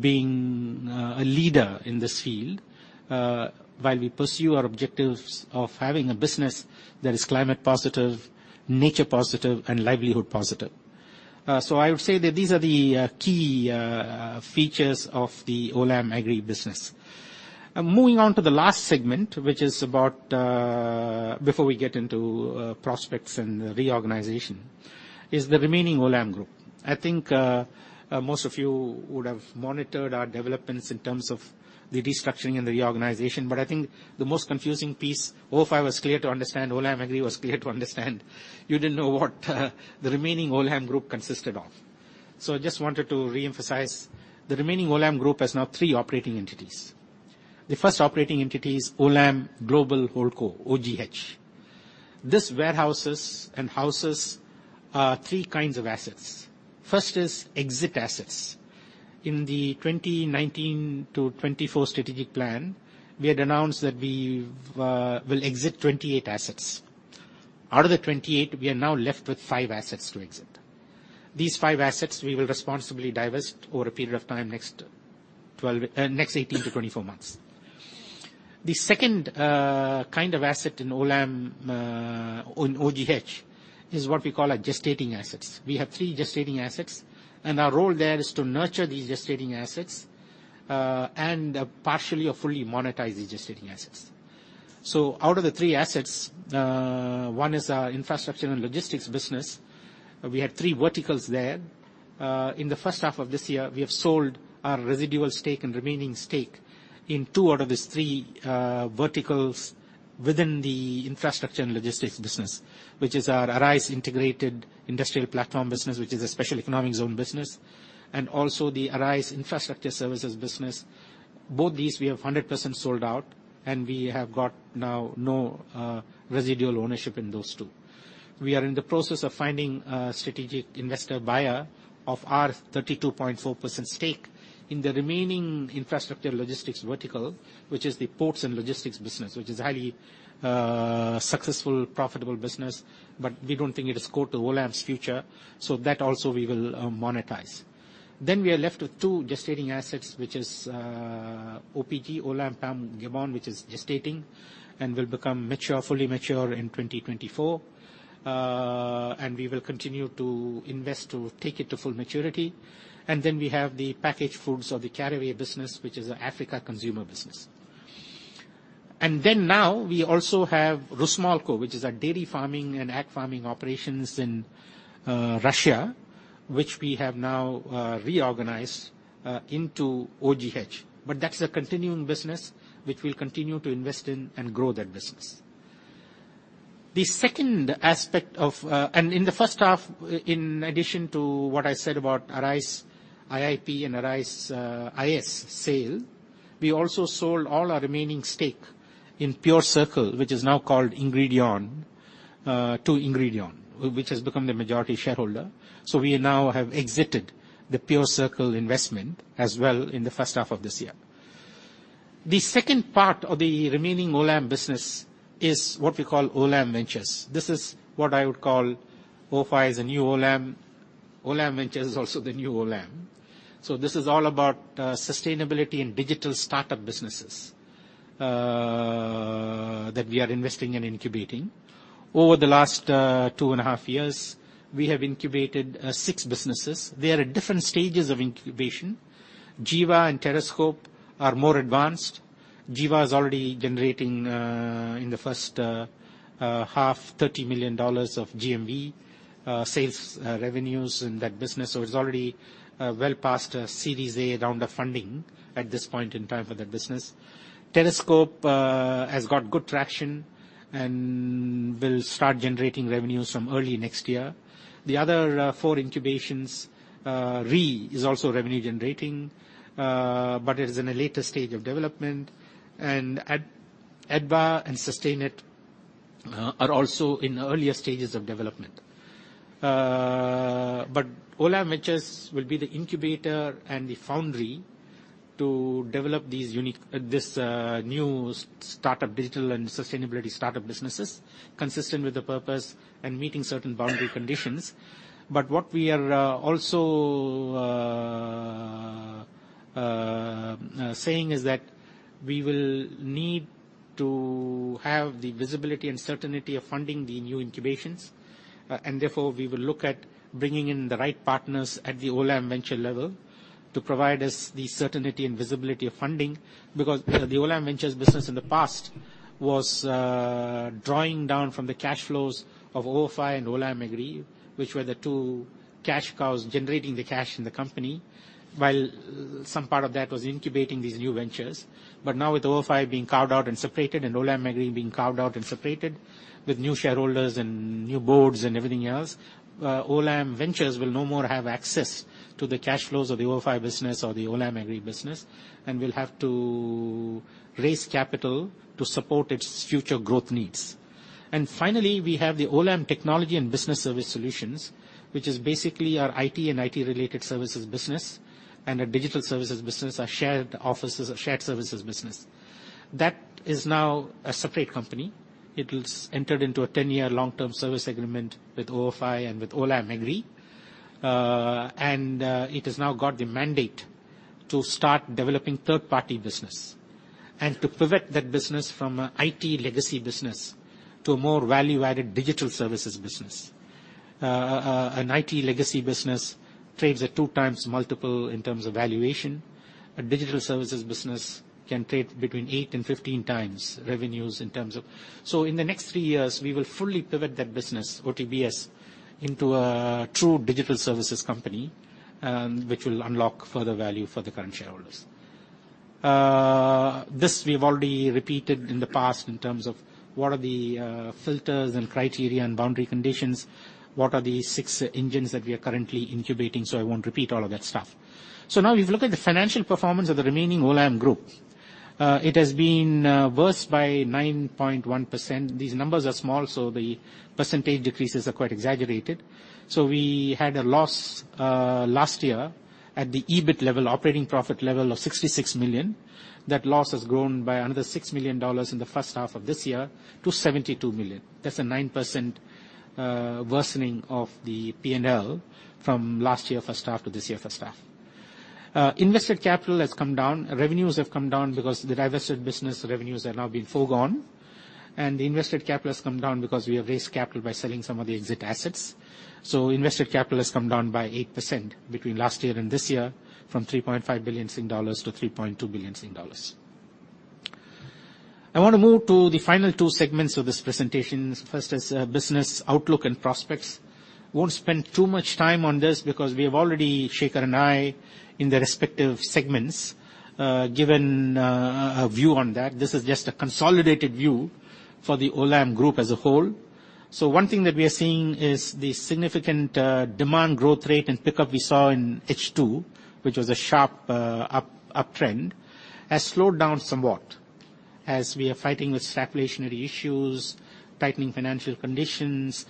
being a leader in this field, while we pursue our objectives of having a business that is climate positive, nature positive, and livelihood positive. I would say that these are the key features of the Olam Agri business. Moving on to the last segment, which is about the, before we get into prospects and reorganization, It's the remaining Olam Group. I think most of you would have monitored our developments in terms of the restructuring and the reorganization. I think the most confusing piece, ofi was clear to understand, Olam Agri was clear to understand. You didn't know what the remaining Olam Group consisted of. I just wanted to reemphasize the remaining Olam Group has now three operating entities. The first operating entity is Olam Global Holdco, OGH. This warehouses and houses three kinds of assets. First is exit assets. In the 2019 to 2024 strategic plan, we had announced that we will exit 28 assets. Out of the 28, we are now left with five assets to exit. These five assets we will responsibly divest over a period of time next 12, next 18 to 24 months. The second kind of asset in Olam on OGH is what we call gestating assets. We have three gestating assets, and our role there is to nurture these gestating assets and partially or fully monetize these gestating assets. Out of the three assets, one is our infrastructure and logistics business. We had three verticals there. In the H1 of this year, we have sold our residual stake and remaining stake in two out of these three verticals within the infrastructure and logistics business, which is our ARISE Integrated Industrial Platforms business, which is a special economic zone business, and also the ARISE Infrastructure Services business. Both these we have 100% sold out, and we have got now no residual ownership in those two. We are in the process of finding a strategic investor buyer of our 32.4% stake in the remaining infrastructure logistics vertical, which is the ports and logistics business. Which is highly successful, profitable business. We don't think it is core to Olam's future, so that also we will monetize. We are left with two gestating assets, which is OPG, Olam Palm Gabon, which is gestating and will become mature, fully mature in 2024. We will continue to invest to take it to full maturity. We have the packaged foods of the Caraway business, which is an African consumer business. We also have RusMolco, which is our dairy farming and Ag Farming operations in Russia, which we have now reorganized into OGH. That's a continuing business which we'll continue to invest in and grow that business. In the H1, in addition to what I said about ARISE IIP and ARISE IS sale, we also sold all our remaining stake in PureCircle, which is now called Ingredion, to Ingredion, which has become the majority shareholder. We now have exited the PureCircle investment as well in the H1 of this year. The second part of the remaining Olam business is what we call Olam Ventures. This is what I would call, ''ofi is the new Olam. Olam Ventures is also the new Olam.'' This is all about sustainability and digital start-up businesses that we are investing in incubating. Over the last two and a half years, we have incubated six businesses. They are at different stages of incubation. Jiva and Terrascope are more advanced. Jiva is already generating in the H1, 30 million dollars of GMV, sales, revenues in that business. It's already well past Series A round of funding at this point in time for that business. Terrascope has got good traction and will start generating revenues from early next year. The other four incubations, re is also revenue generating, but it is in a later stage of development. ADBA and Sustainit are also in earlier stages of development. Olam Ventures will be the incubator and the foundry to develop these unique new start-up digital and sustainability start-up businesses consistent with the purpose and meeting certain boundary conditions. What we are also saying is that we will need to have the visibility and certainty of funding the new incubations. Therefore, we will look at bringing in the right partners at the Olam venture level to provide us the certainty and visibility of funding. Because, the Olam Ventures business in the past was, drawing down from the cash flows of ofi and Olam Agri, which were the two cash cows generating the cash in the company, while some part of that was incubating these new ventures. Now with ofi being carved out and separated and Olam Agri being carved out and separated with new shareholders and new boards and everything else, Olam Ventures will no more have access to the cash flows of the ofi business or the Olam Agri business, and will have to raise capital to support its future growth needs. Finally, we have the Olam Technology and Business Services solutions, which is basically our IT and IT-related services business and our digital services business, our shared offices, our shared services business. That is now a separate company. It has entered into a 10-year long-term service agreement with ofi and with Olam Agri. It has now got the mandate to start developing third-party business and to pivot that business from an IT legacy business to a more value-added digital services business. An IT legacy business trades at 2x multiple in terms of valuation. A digital services business can trade between 8x and 15x revenues in terms of valuation. In the next three years, we will fully pivot that business, OTBS, into a true digital services company, which will unlock further value for the current shareholders. This we've already repeated in the past in terms of what are the filters and criteria and boundary conditions, what are the six engines that we are currently incubating, so I won't repeat all of that stuff. Now if you look at the financial performance of the remaining Olam Group, it has been worse by 9.1%. These numbers are small, so the percentage decreases are quite exaggerated. We had a loss last year at the EBIT level, operating profit level of 66 million. That loss has grown by another 6 million dollars in the H1 of this year to 72 million. That's a 9% worsening of the P&L from last year H1 to this year H1. Invested capital has come down. Revenues have come down because the divested business revenues have now been foregone. The invested capital has come down because we have raised capital by selling some of the exit assets. Invested capital has come down by 8% between last year and this year from 3.5 billion Sing dollars to 3.2 billion Sing dollars. I wanna move to the final two segments of this presentation. First is business outlook and prospects. Won't spend too much time on this because we have already, Shekhar and I, in the respective segments, given a view on that. This is just a consolidated view for the Olam Group as a whole. One thing that we are seeing is the significant demand growth rate and pickup we saw in H2, which was a sharp uptrend, has slowed down somewhat as we are fighting with stagflation issues, tightening financial conditions,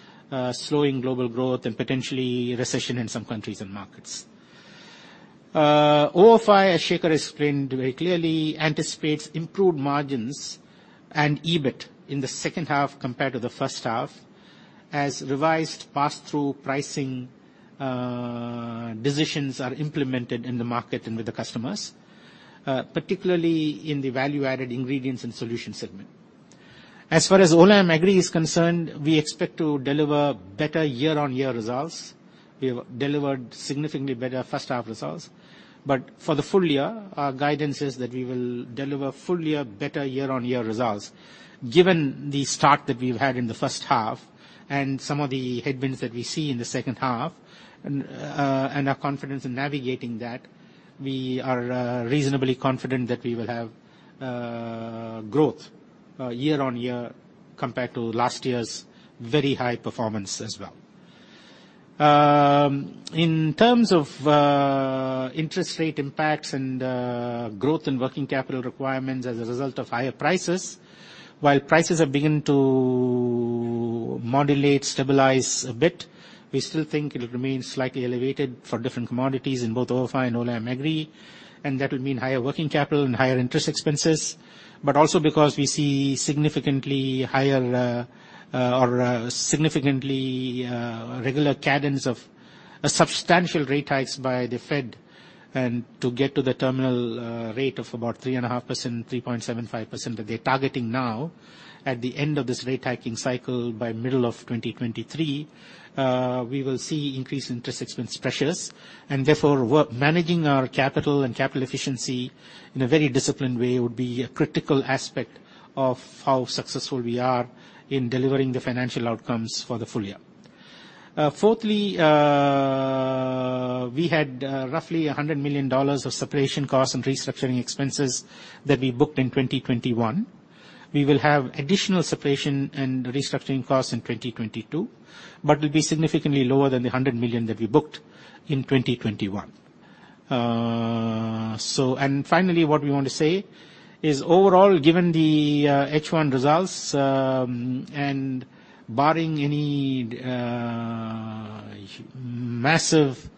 slowing global growth and potentially recession in some countries and markets. ofi, as Shekhar has explained very clearly, anticipates improved margins and EBIT in the H2 compared to the H1, as revised pass-through pricing decisions are implemented in the market and with the customers, particularly in the value-added ingredients and solutions segment. As far as Olam Agri is concerned, we expect to deliver better year-on-year results. We have delivered significantly better H1 results. For the full year, our guidance is that we will deliver full year better year-on-year results. Given the start that we've had in the H1 and some of the headwinds that we see in the H2, and our confidence in navigating that, we are reasonably confident that we will have growth year-on-year compared to last year's very high performance as well. In terms of interest rate impacts and growth in working capital requirements as a result of higher prices, while prices have begun to modulate, stabilize a bit, we still think it'll remain slightly elevated for different commodities in both ofi and Olam Agri, and that would mean higher working capital and higher interest expenses. Also because we see significantly higher regular cadence of substantial rate hikes by the Fed, and to get to the terminal rate of about 3.5%, 3.75% that they're targeting now, at the end of this rate hiking cycle by middle of 2023, we will see increased interest expense pressures, and therefore, we're managing our capital and capital efficiency in a very disciplined way would be a critical aspect of how successful we are in delivering the financial outcomes for the full year. Fourthly, we had roughly 100 million dollars of separation costs and restructuring expenses that we booked in 2021. We will have additional separation and restructuring costs in 2022, but will be significantly lower than the 100 million that we booked in 2021. Finally, what we want to say is overall, given the H1 results, and barring any massive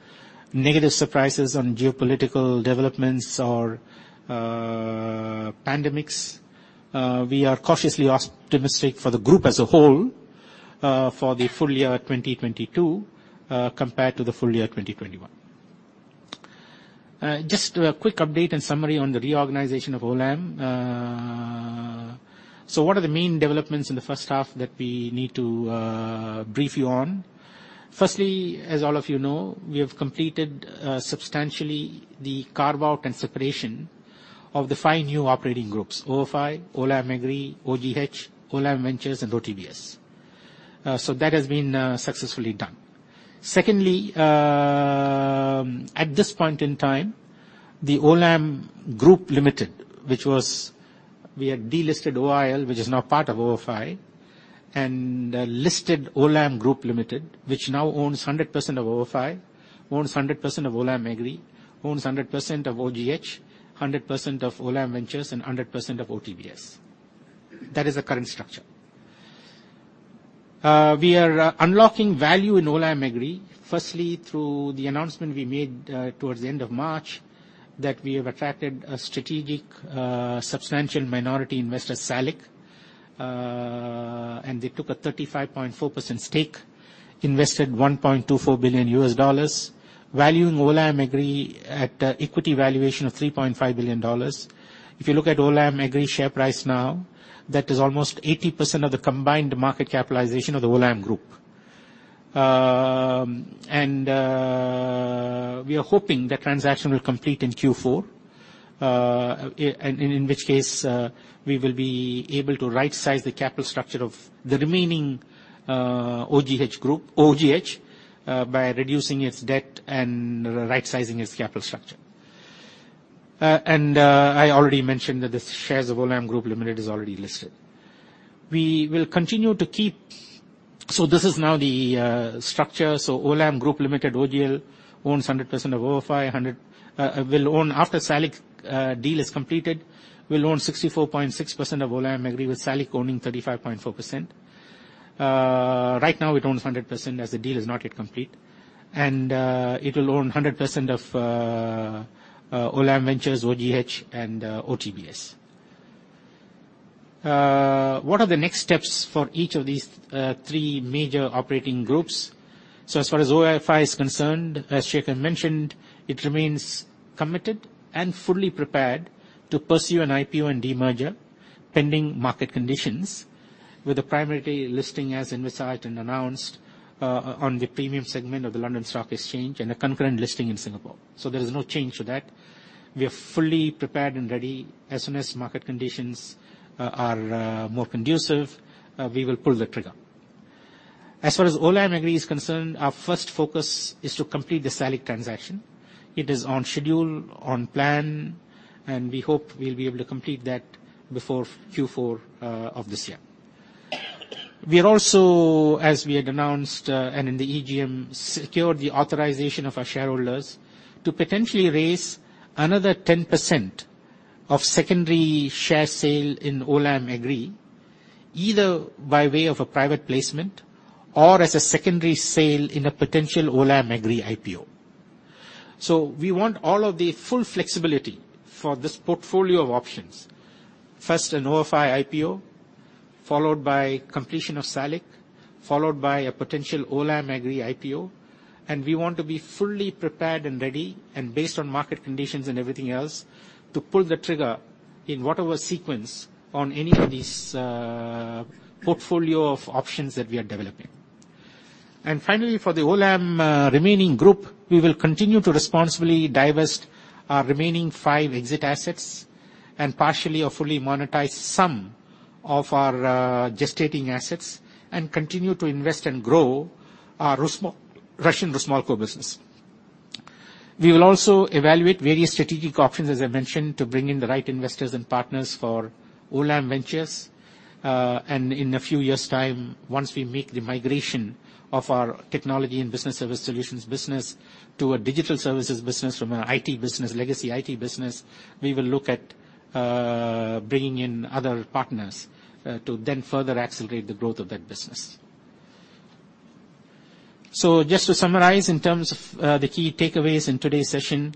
negative surprises on geopolitical developments or pandemics, we are cautiously optimistic for the group as a whole, for the full year 2022, compared to the full year 2021. Just a quick update and summary on the reorganization of Olam. What are the main developments in the H1 that we need to brief you on? Firstly, as all of you know, we have completed substantially the carve-out and separation of the five new operating groups, ofi, Olam Agri, OGH, Olam Ventures, and OTBS. That has been successfully done. Secondly, at this point in time, the Olam Group Limited, which was... We had delisted OIL, which is now part of ofi, and listed Olam Group Limited, which now owns 100% of ofi, owns 100% of Olam Agri, owns 100% of OGH, owns 100% of Olam Ventures, and 100% of OTBS. That is the current structure. We are unlocking value in Olam Agri, firstly, through the announcement we made, towards the end of March, that we have attracted a strategic, substantial minority investor, SALIC, and they took a 35.4% stake, invested $1.24 billion, valuing Olam Agri at an equity valuation of $3.5 billion. If you look at Olam Agri share price now, that is almost 80% of the combined market capitalization of the Olam Group. We are hoping the transaction will complete in Q4, in which case, we will be able to rightsize the capital structure of the remaining OGH Group, OGH, by reducing its debt and rightsizing its capital structure. I already mentioned that the shares of Olam Group Limited is already listed. We will continue to keep. This is now the structure. Olam Group Limited, OGL, owns 100% of ofi, will own after SALIC deal is completed, we will own 64.6% of Olam Agri, with SALIC owning 35.4%. Right now it owns 100% as the deal is not yet complete. It will own 100% of Olam Ventures, OGH, and OTBS. What are the next steps for each of these three major operating groups? As far as ofi is concerned, as Shekhar mentioned, it remains committed and fully prepared to pursue an IPO and demerger, pending market conditions, with a primary listing as envisaged and announced on the premium segment of the London Stock Exchange and a concurrent listing in Singapore. There is no change to that. We are fully prepared and ready as soon as market conditions are more conducive, we will pull the trigger. As far as Olam Agri is concerned, our first focus is to complete the SALIC transaction. It is on schedule, on plan. We hope we'll be able to complete that before Q4 of this year. We are also, as we had announced, and in the EGM, secured the authorization of our shareholders to potentially raise another 10% of secondary share sale in Olam Agri, either by way of a private placement or as a secondary sale in a potential Olam Agri IPO. We want all of the full flexibility for this portfolio of options. First an ofi IPO, followed by completion of SALIC, followed by a potential Olam Agri IPO, and we want to be fully prepared and ready and based on market conditions and everything else to pull the trigger in whatever sequence on any of these, portfolio of options that we are developing. Finally, for the Olam remaining group, we will continue to responsibly divest our remaining five exit assets and partially or fully monetize some of our gestating assets and continue to invest and grow our Russian RusMolco business. We will also evaluate various strategic options, as I mentioned, to bring in the right investors and partners for Olam Ventures. In a few years' time, once we make the migration of our technology and business service solutions business to a digital services business from an IT business, legacy IT business, we will look at bringing in other partners to then further accelerate the growth of that business. Just to summarize in terms of the key takeaways in today's session.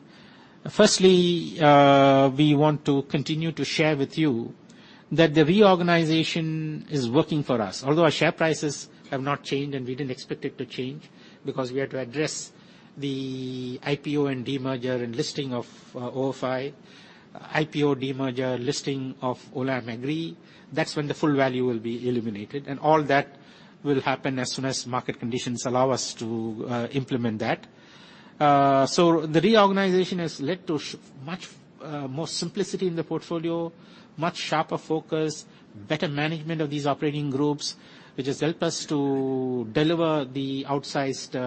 Firstly, we want to continue to share with you that the reorganization is working for us. Although our share prices have not changed, and we didn't expect it to change because we had to address the IPO and demerger and listing of ofi and Olam Agri. That's when the full value will be eliminated, and all that will happen as soon as market conditions allow us to implement that. So the reorganization has led to much more simplicity in the portfolio, much sharper focus, better management of these operating groups, which has helped us to deliver the outsized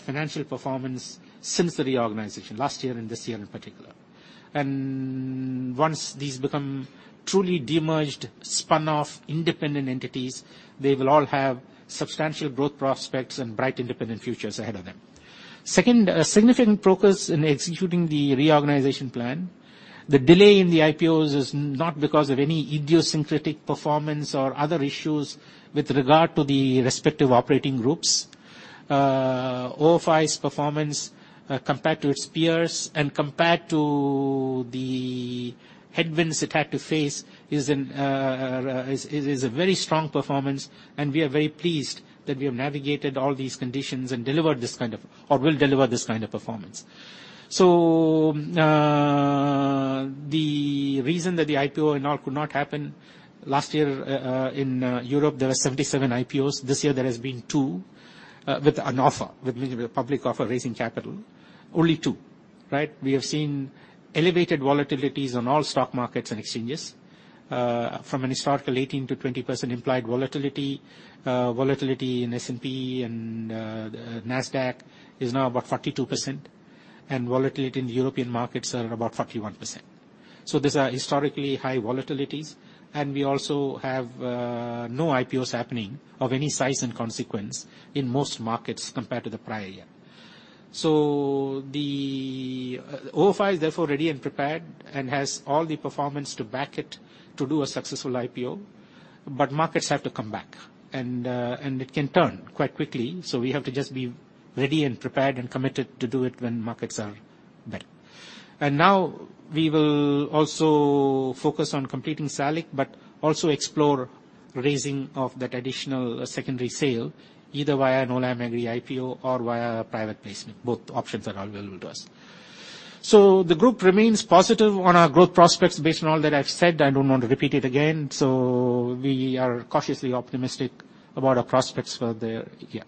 financial performance since the reorganization last year and this year in particular. Once these become truly demerged, spun off independent entities, they will all have substantial growth prospects and bright independent futures ahead of them. Second, a significant progress in executing the reorganization plan. The delay in the IPOs is not because of any idiosyncratic performance or other issues with regard to the respective operating groups. ofi's performance, compared to its peers and compared to the headwinds it had to face is a very strong performance, and we are very pleased that we have navigated all these conditions and delivered this kind of or will deliver this kind of performance. The reason that the IPO and all could not happen last year in Europe there were 77 IPOs. This year there has been two with an offer, with a public offer raising capital. Only two, right? We have seen elevated volatilities on all stock markets and exchanges from an historical 18%-20% implied volatility. Volatility in S&P and Nasdaq is now about 42%, and volatility in the European markets are about 41%. These are historically high volatilities, and we also have no IPOs happening of any size and consequence in most markets compared to the prior year. The ofi is therefore ready and prepared and has all the performance to back it to do a successful IPO, but markets have to come back and it can turn quite quickly, so we have to just be ready and prepared and committed to do it when markets are better. Now we will also focus on completing SALIC, but also explore raising of that additional secondary sale either via an Olam Agri IPO or via a private placement. Both options are available to us. The group remains positive on our growth prospects based on all that I've said. I don't want to repeat it again. We are cautiously optimistic about our prospects for the year.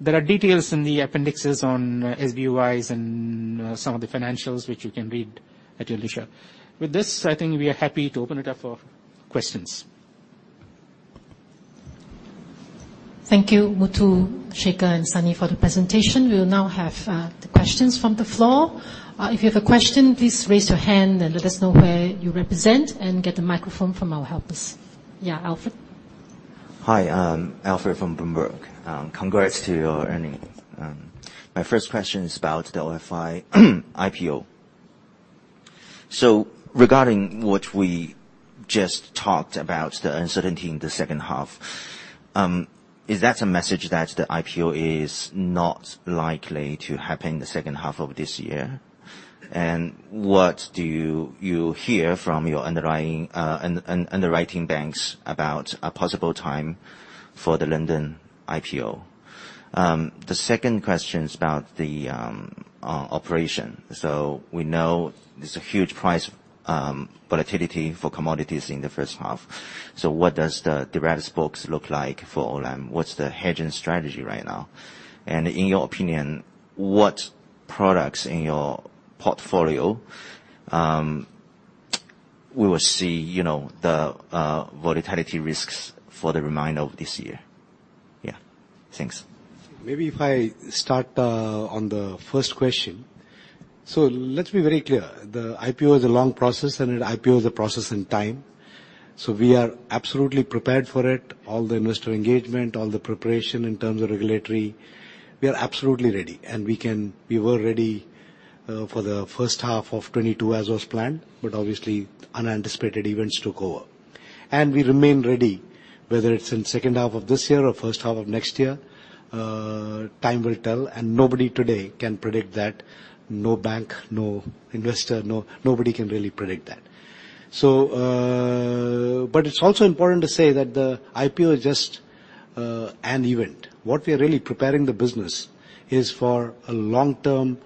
There are details in the appendices on SBUs and some of the financials, which you can read at your leisure. With this, I think we are happy to open it up for questions. Thank you, Muthu, Shekhar, and Sunny for the presentation. We will now have the questions from the floor. If you have a question, please raise your hand and let us know where you represent and get the microphone from our helpers. Yeah, Alfred. Hi, Alfred from Bloomberg. Congrats on your earnings. My first question is about the ofi IPO. Regarding what we just talked about, the uncertainty in the H2, is that a message that the IPO is not likely to happen in the H2 of this year? What do you hear from your underwriting banks about a possible time for the London IPO? The second question is about the operation. We know there's a huge price volatility for commodities in the H1. What does the derivatives books look like for Olam? What's the hedging strategy right now? In your opinion, what products in your portfolio will see, you know, the volatility risks for the remainder of this year? Yeah. Thanks. Maybe if I start on the first question. Let's be very clear. The IPO is a long process, and an IPO is a process in time. We are absolutely prepared for it, all the investor engagement, all the preparation in terms of regulatory. We are absolutely ready, and we were ready for the H1 of 2022 as was planned, but obviously unanticipated events took over. We remain ready, whether it's in H2 of this year or H1 of next year, time will tell. Nobody today can predict that. No bank, no investor, nobody can really predict that but it's also important to say that the IPO is just an event. What we are really preparing the business is for a long-term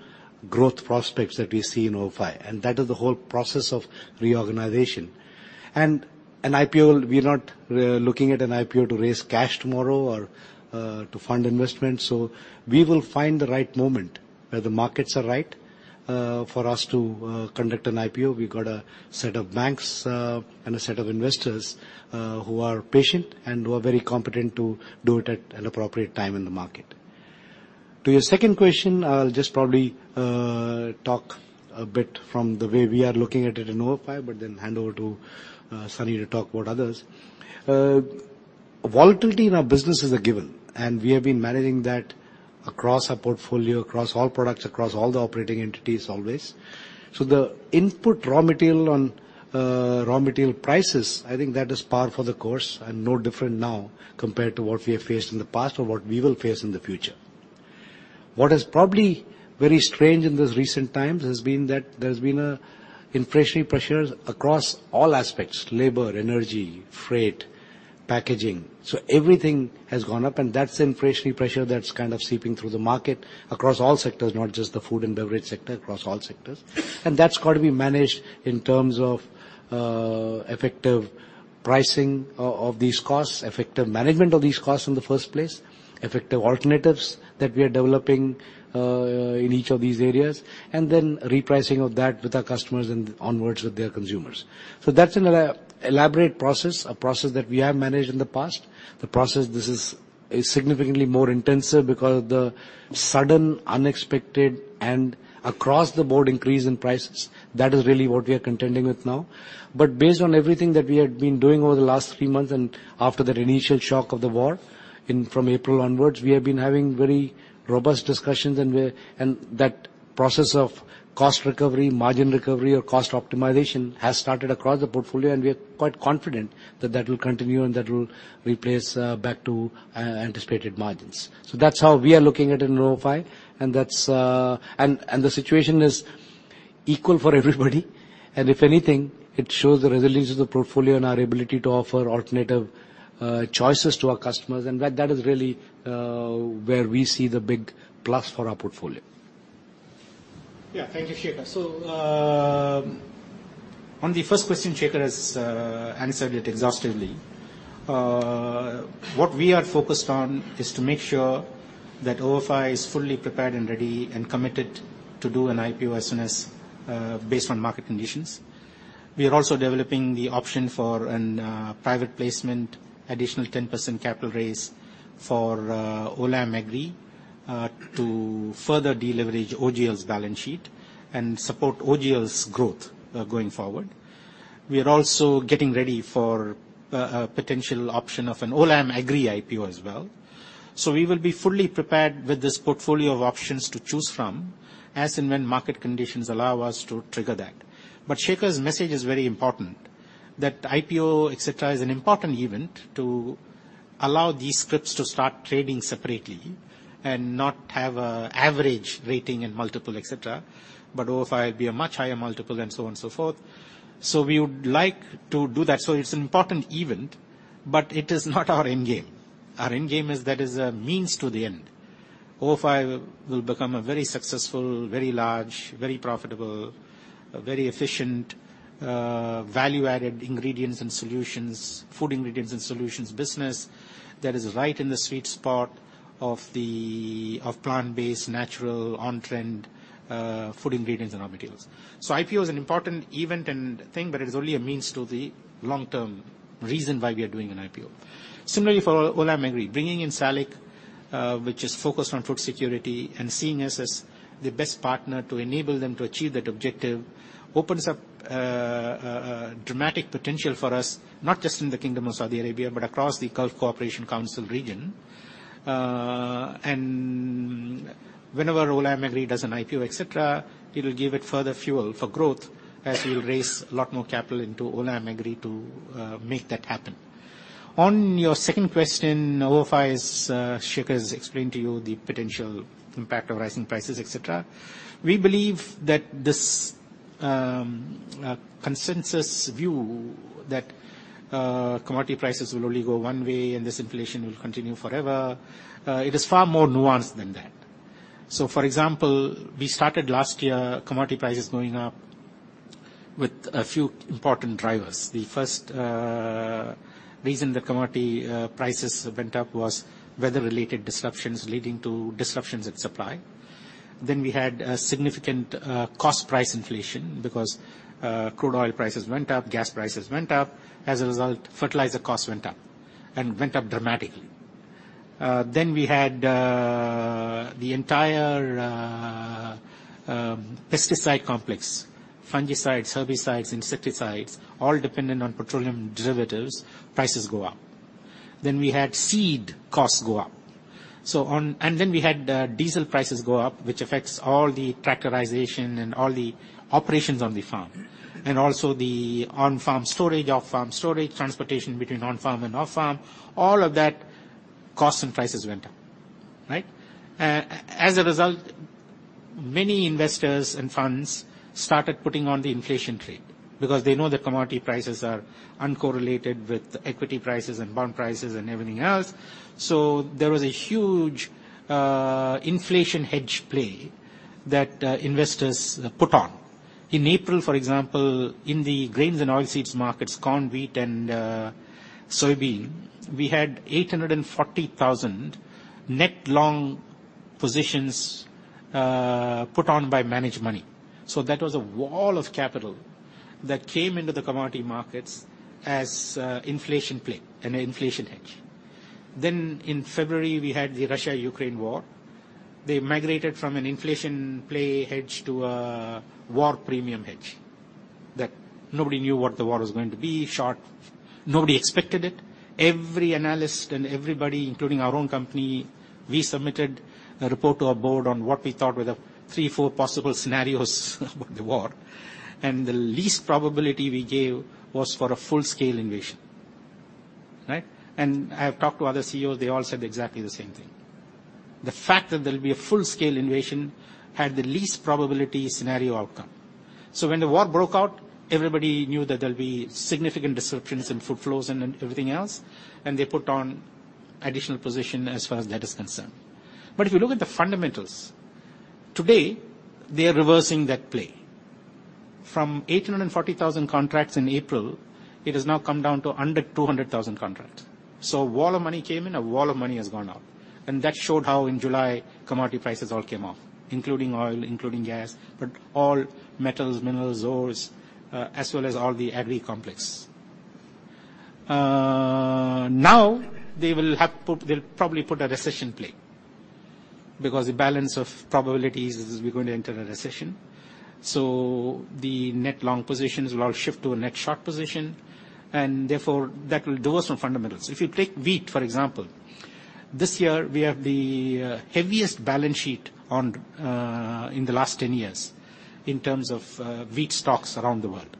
growth prospects that we see in ofi, and that is the whole process of reorganization. An IPO, we're not looking at an IPO to raise cash tomorrow or to fund investment, so we will find the right moment where the markets are right for us to conduct an IPO. We've got a set of banks and a set of investors who are patient and who are very competent to do it at an appropriate time in the market. To your second question, I'll just probably talk a bit from the way we are looking at it in ofi, but then hand over to Sunny to talk about others. Volatility in our business is a given, and we have been managing that across our portfolio, across all products, across all the operating entities always. The input raw material prices, I think that is par for the course and no different now compared to what we have faced in the past or what we will face in the future. What is probably very strange in these recent times has been that there's been inflationary pressures across all aspects, labor, energy, freight, packaging. Everything has gone up, and that's inflationary pressure that's kind of seeping through the market across all sectors, not just the food and beverage sector, across all sectors. That's got to be managed in terms of, effective pricing of these costs, effective management of these costs in the first place, effective alternatives that we are developing, in each of these areas, and then repricing of that with our customers and onwards with their consumers. That's an elaborate process, a process that we have managed in the past. The process this is significantly more intensive because the sudden, unexpected, and across-the-board increase in prices, that is really what we are contending with now. Based on everything that we have been doing over the last three months and after that initial shock of the war, and from April onwards, we have been having very robust discussions and we're. That process of cost recovery, margin recovery, or cost optimization has started across the portfolio, and we are quite confident that will continue and that will replace back to anticipated margins. That's how we are looking at it in ofi, and the situation is equal for everybody. If anything, it shows the resilience of the portfolio and our ability to offer alternative choices to our customers, and that is really where we see the big plus for our portfolio. Yeah. Thank you, Shekhar. On the first question, Shekhar has answered it exhaustively. What we are focused on is to make sure that ofi is fully prepared and ready and committed to do an IPO as soon as based on market conditions. We are also developing the option for a private placement, additional 10% capital raise for Olam Agri to further deleverage OGL's balance sheet and support OGL's growth going forward. We are also getting ready for a potential option of an Olam Agri IPO as well. We will be fully prepared with this portfolio of options to choose from as and when market conditions allow us to trigger that. Shekhar's message is very important, that IPO, et cetera, is an important event to allow these scrips to start trading separately and not have an average rating and multiple, et cetera. ofi will be a much higher multiple and so on and so forth. We would like to do that. It's an important event, but it is not our end game. Our end game is that it is a means to the end. ofi will become a very successful, very large, very profitable, very efficient, value-added ingredients and solutions, food ingredients and solutions business that is right in the sweet spot of the plant-based, natural, on-trend, food ingredients and raw materials. IPO is an important event and thing, but it is only a means to the long-term reason why we are doing an IPO. Similarly, for Olam Agri, bringing in SALIC, which is focused on food security and seeing us as the best partner to enable them to achieve that objective, opens up a dramatic potential for us, not just in the Kingdom of Saudi Arabia, but across the Gulf Cooperation Council region. Whenever Olam Agri does an IPO, et cetera, it'll give it further fuel for growth as we'll raise a lot more capital into Olam Agri to make that happen. On your second question, ofi's Shekhar has explained to you the potential impact of rising prices, et cetera. We believe that this consensus view that commodity prices will only go one way and this inflation will continue forever, it is far more nuanced than that. For example, we started last year, commodity prices going up with a few important drivers. The first reason that commodity prices went up was weather-related disruptions leading to disruptions in supply. We had a significant cost price inflation because crude oil prices went up, gas prices went up. As a result, fertilizer costs went up dramatically. We had the entire pesticide complex, fungicides, herbicides, insecticides, all dependent on petroleum derivatives, prices go up. We had seed costs go up. We had diesel prices go up, which affects all the tractorization and all the operations on the farm, and also the on-farm storage, off-farm storage, transportation between on-farm and off-farm, all of that costs and prices went up, right? As a result, many investors and funds started putting on the inflation trade because they know that commodity prices are uncorrelated with equity prices and bond prices and everything else. There was a huge inflation hedge play that investors put on. In April, for example, in the grains and oilseeds markets, corn, wheat and soybean, we had 840,000 net long positions put on by managed money. That was a wall of capital that came into the commodity markets as inflation play and an inflation hedge. In February, we had the Russia-Ukraine war. They migrated from an inflation play hedge to a war premium hedge that nobody knew what the war was going to be, short. Nobody expected it. Every analyst and everybody, including our own company, we submitted a report to our board on what we thought were the three, four possible scenarios about the war, and the least probability we gave was for a full-scale invasion, right? I have talked to other CEOs, they all said exactly the same thing. The fact that there'll be a full-scale invasion had the least probability scenario outcome. When the war broke out, everybody knew that there'll be significant disruptions in food flows and then everything else, and they put on additional position as far as that is concerned. If you look at the fundamentals, today they are reversing that play. From 840,000 contracts in April, it has now come down to under 200,000 contracts. A wall of money came in, a wall of money has gone out. That showed how in July, commodity prices all came off, including oil, including gas, but all metals, minerals, ores, as well as all the Agri complex. Now they will have put—they'll probably put a recession play because the balance of probabilities is we're going to enter a recession. The net long positions will all shift to a net short position, and therefore that will divorce from fundamentals. If you take wheat, for example, this year we have the heaviest balance sheet on, in the last 10 years in terms of, wheat stocks around the world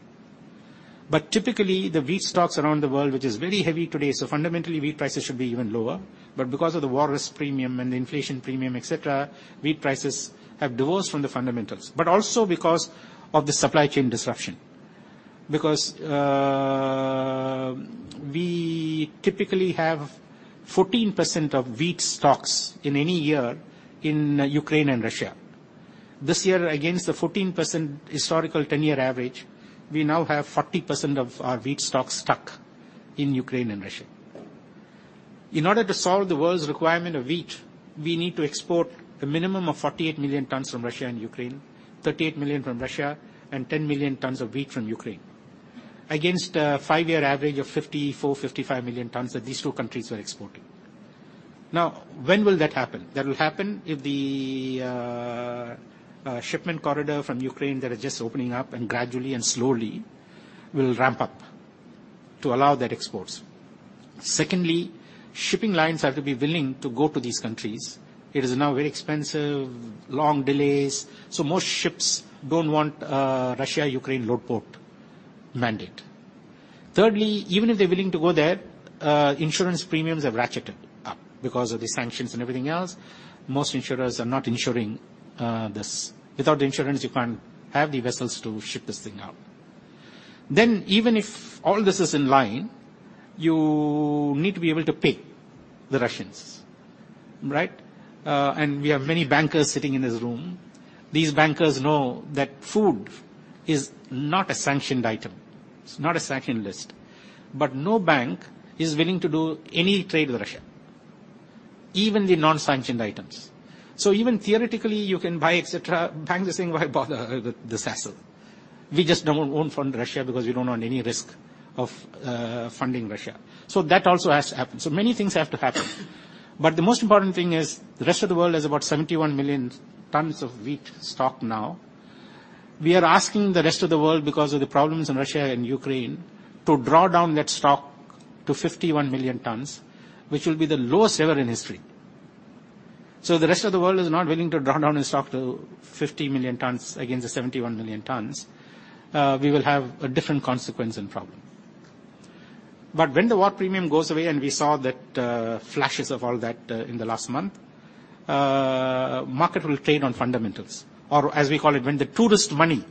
but typically, the wheat stocks around the world, which is very heavy today, so fundamentally wheat prices should be even lower but because of the war risk premium and the inflation premium, et cetera., wheat prices have divorced from the fundamentals, but also because of the supply chain disruption. We typically have 14% of wheat stocks in any year in Ukraine and Russia. This year, against the 14% historical 10-year average, we now have 40% of our wheat stocks stuck in Ukraine and Russia. In order to solve the world's requirement of wheat, we need to export a minimum of 48 million tons from Russia and Ukraine, 38 million from Russia and 10 million tons of wheat from Ukraine. Against a five-year average of 54/55 million tons that these two countries were exporting. When will that happen? That will happen if the shipment corridor from Ukraine that is just opening up and gradually and slowly will ramp up to allow those exports. Secondly, shipping lines have to be willing to go to these countries. It is now very expensive, long delays, so most ships don't want Russia/Ukraine load port mandate. Thirdly, even if they're willing to go there, insurance premiums have ratcheted up. Because of the sanctions and everything else, most insurers are not insuring this. Without the insurance, you can't have the vessels to ship this thing out. Even if all this is in line, you need to be able to pay the Russians, right? We have many bankers sitting in this room. These bankers know that food is not a sanctioned item. It's not a sanctioned list. No bank is willing to do any trade with Russia, even the non-sanctioned items. Even theoretically, you can buy, etc. Banks are saying, "Why bother with this hassle? We just don't want to fund Russia because we don't want any risk of funding Russia. That also has to happen. Many things have to happen. The most important thing is the rest of the world has about 71 million tons of wheat stock now. We are asking the rest of the world, because of the problems in Russia and Ukraine, to draw down that stock to 51 million tons, which will be the lowest ever in history. If the rest of the world is not willing to draw down its stock to 50 million tons against the 71 million tons, we will have a different consequence and problem. When the war premium goes away, and we saw flashes of all that in the last month, market will trade on fundamentals. As we call it, when the tourist money,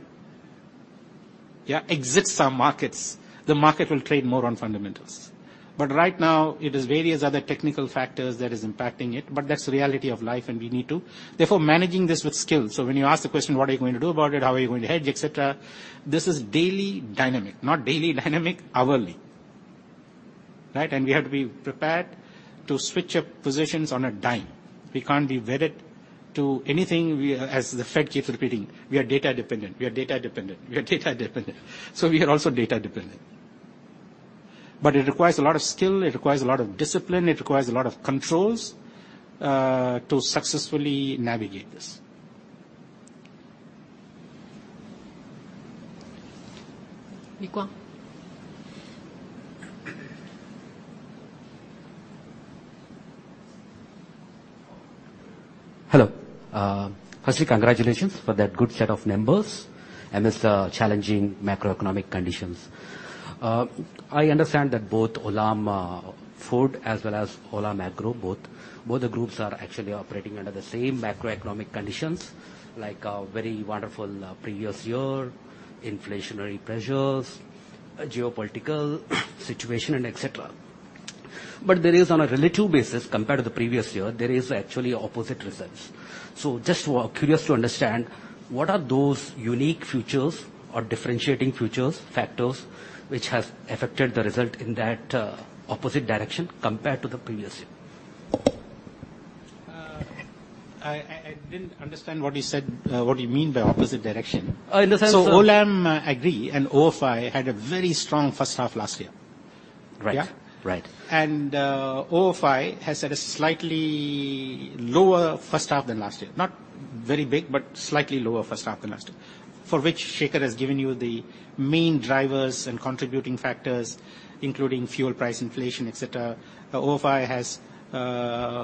yeah, exits our markets, the market will trade more on fundamentals. Right now it is various other technical factors that is impacting it, but that's the reality of life, and we need to. Therefore, managing this with skill. When you ask the question, what are you going to do about it? How are you going to hedge, et cetera.? This is daily dynamic. Not daily dynamic, hourly, right? We have to be prepared to switch up positions on a dime. We can't be wedded to anything, as the Fed keeps repeating, we are data dependent. We are also data dependent. It requires a lot of skill, it requires a lot of discipline, it requires a lot of controls to successfully navigate this. Niquan. Hello. Firstly, congratulations for that good set of numbers amidst challenging macroeconomic conditions. I understand that both Olam Food Ingredients as well as Olam Agri the groups are actually operating under the same macroeconomic conditions, like a very wonderful previous year, inflationary pressures, a geopolitical situation and et cetera. There is on a relative basis, compared to the previous year, actually opposite results. Just curious to understand, what are those unique features or differentiating features factors which have affected the result in that opposite direction compared to the previous year? I didn't understand what you said. What do you mean by opposite direction? In the sense. Olam Agri and ofi had a very strong H1 last year. Right. Yeah. Right. ofi has had a slightly lower H1 than last year. Not very big, but slightly lower H1 than last year. For which Shekhar has given you the main drivers and contributing factors, including fuel price inflation, et cetera. ofi has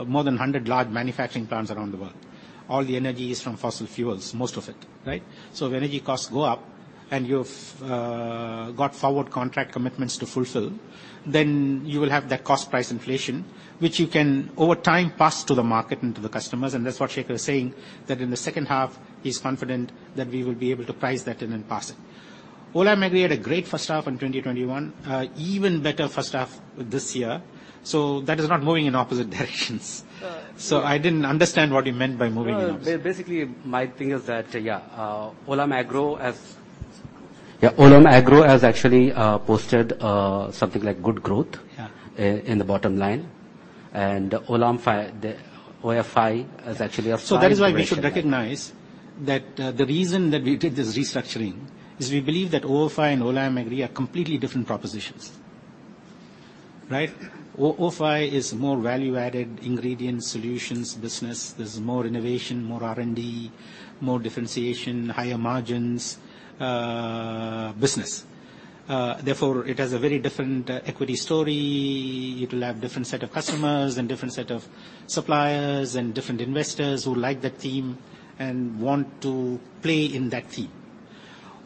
more than 100 large manufacturing plants around the world. All the energy is from fossil fuels, most of it, right? If energy costs go up and you've got forward contract commitments to fulfil, then you will have that cost price inflation, which you can over time pass to the market and to the customers, and that's what Shekhar is saying, that in the H2 he's confident that we will be able to price that and then pass it. Olam Agri had a great H1 in 2021, even better H1 this year. That is not moving in opposite directions. I didn't understand what he meant by moving in opposite. No. Basically my thing is that, yeah, Olam Agri has actually posted something like good growth. Yeah In the bottom line. The ofi has actually- That's why we should recognize that the reason that we did this restructuring is we believe that ofi and Olam Agri are completely different propositions, right? ofi is more value-added ingredient solutions business. There's more innovation, more R&D, more differentiation, higher margins, business. Therefore, it has a very different equity story. It will have different set of customers and different set of suppliers and different investors who like that theme and want to play in that theme.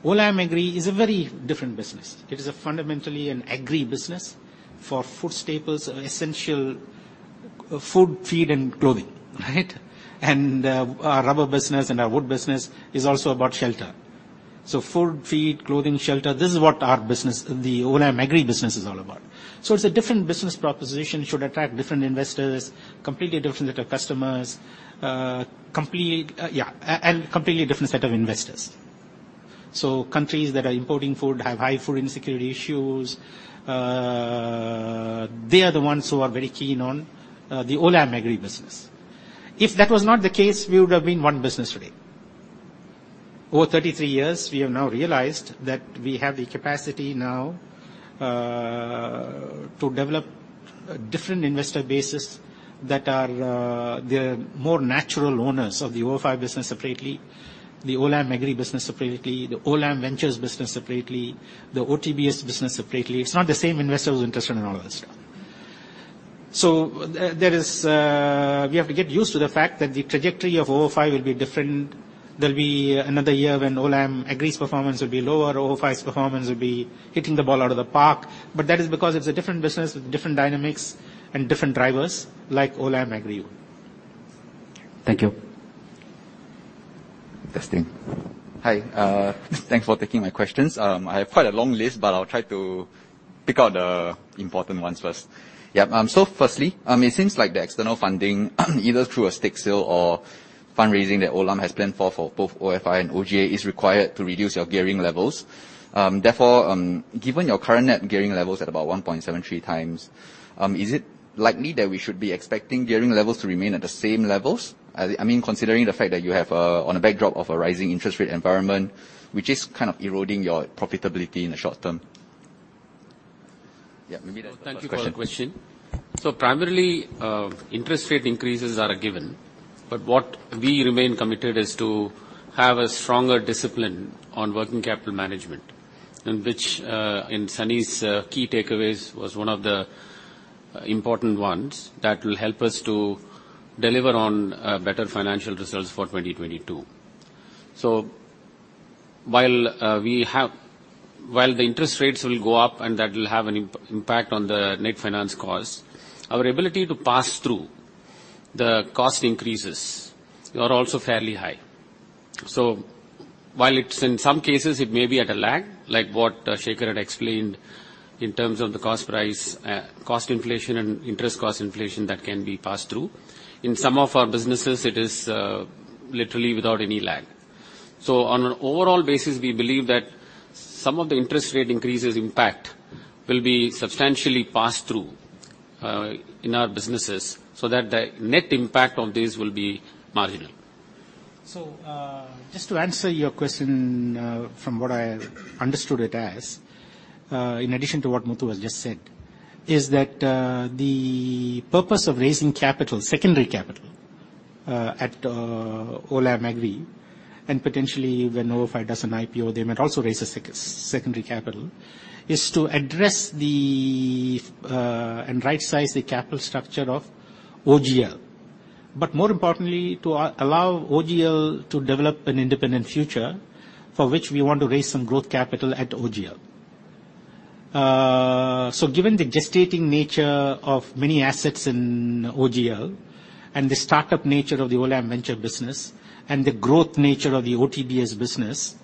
Olam Agri is a very different business. It is a fundamentally an Agri business for food staples and essential food, feed, and clothing, right? Our rubber business and our wood business is also about shelter. Food, feed, clothing, shelter, this is what our business, the Olam Agri business is all about. It's a different business proposition. It should attract different investors, completely different set of customers, completely different set of investors. Countries that are importing food have high food insecurity issues. They are the ones who are very keen on the Olam Agri business. If that was not the case, we would have been one business today. Over 33 years, we have now realized that we have the capacity now to develop a different investor bases that are more natural owners of the ofi business separately, the Olam Agri business separately, the Olam Ventures business separately, the OTBS business separately. It's not the same investor who's interested in all of this stuff. There is. We have to get used to the fact that the trajectory of ofi will be different. There'll be another year when Olam Agri's performance will be lower, ofi's performance will be hitting the ball out of the park. That is because it's a different business with different dynamics and different drivers like Olam Agri. Thank you. Justin. Hi. Thanks for taking my questions. I have quite a long list, but I'll try to pick out the important ones first. Yeah, firstly, it seems like the external funding, either through a stake sale or fundraising that Olam has planned for both ofi and OGA, is required to reduce your gearing levels. Therefore, given your current net gearing levels at about 1.73x, is it likely that we should be expecting gearing levels to remain at the same levels? I mean, considering the fact that you have, on a backdrop of a rising interest rate environment, which is eroding your profitability in the short term? Well, thank you for the question. Primarily, interest rate increases are a given. What we remain committed is to have a stronger discipline on working capital management, and which in Sunny's key takeaways was one of the important ones that will help us to deliver on better financial results for 2022. While the interest rates will go up and that will have an impact on the net finance cost, our ability to pass through the cost increases are also fairly high. While it's in some cases it may be at a lag, like what Shekhar had explained in terms of the cost price, cost inflation and interest cost inflation that can be passed through, in some of our businesses it is, literally without any lag. On an overall basis, we believe that some of the interest rate increases impact will be substantially passed through, in our businesses, so that the net impact of this will be marginal. Just to answer your question, from what I understood it as, in addition to what Muthu has just said, is that the purpose of raising capital, secondary capital, at Olam Agri, and potentially when ofi does an IPO, they might also raise a secondary capital, is to address and rightsize the capital structure of OGL. More importantly, to allow OGL to develop an independent future for which we want to raise some growth capital at OGL. Given the gestating nature of many assets in OGL and the start-up nature of the Olam venture business and the growth nature of the OTBS business,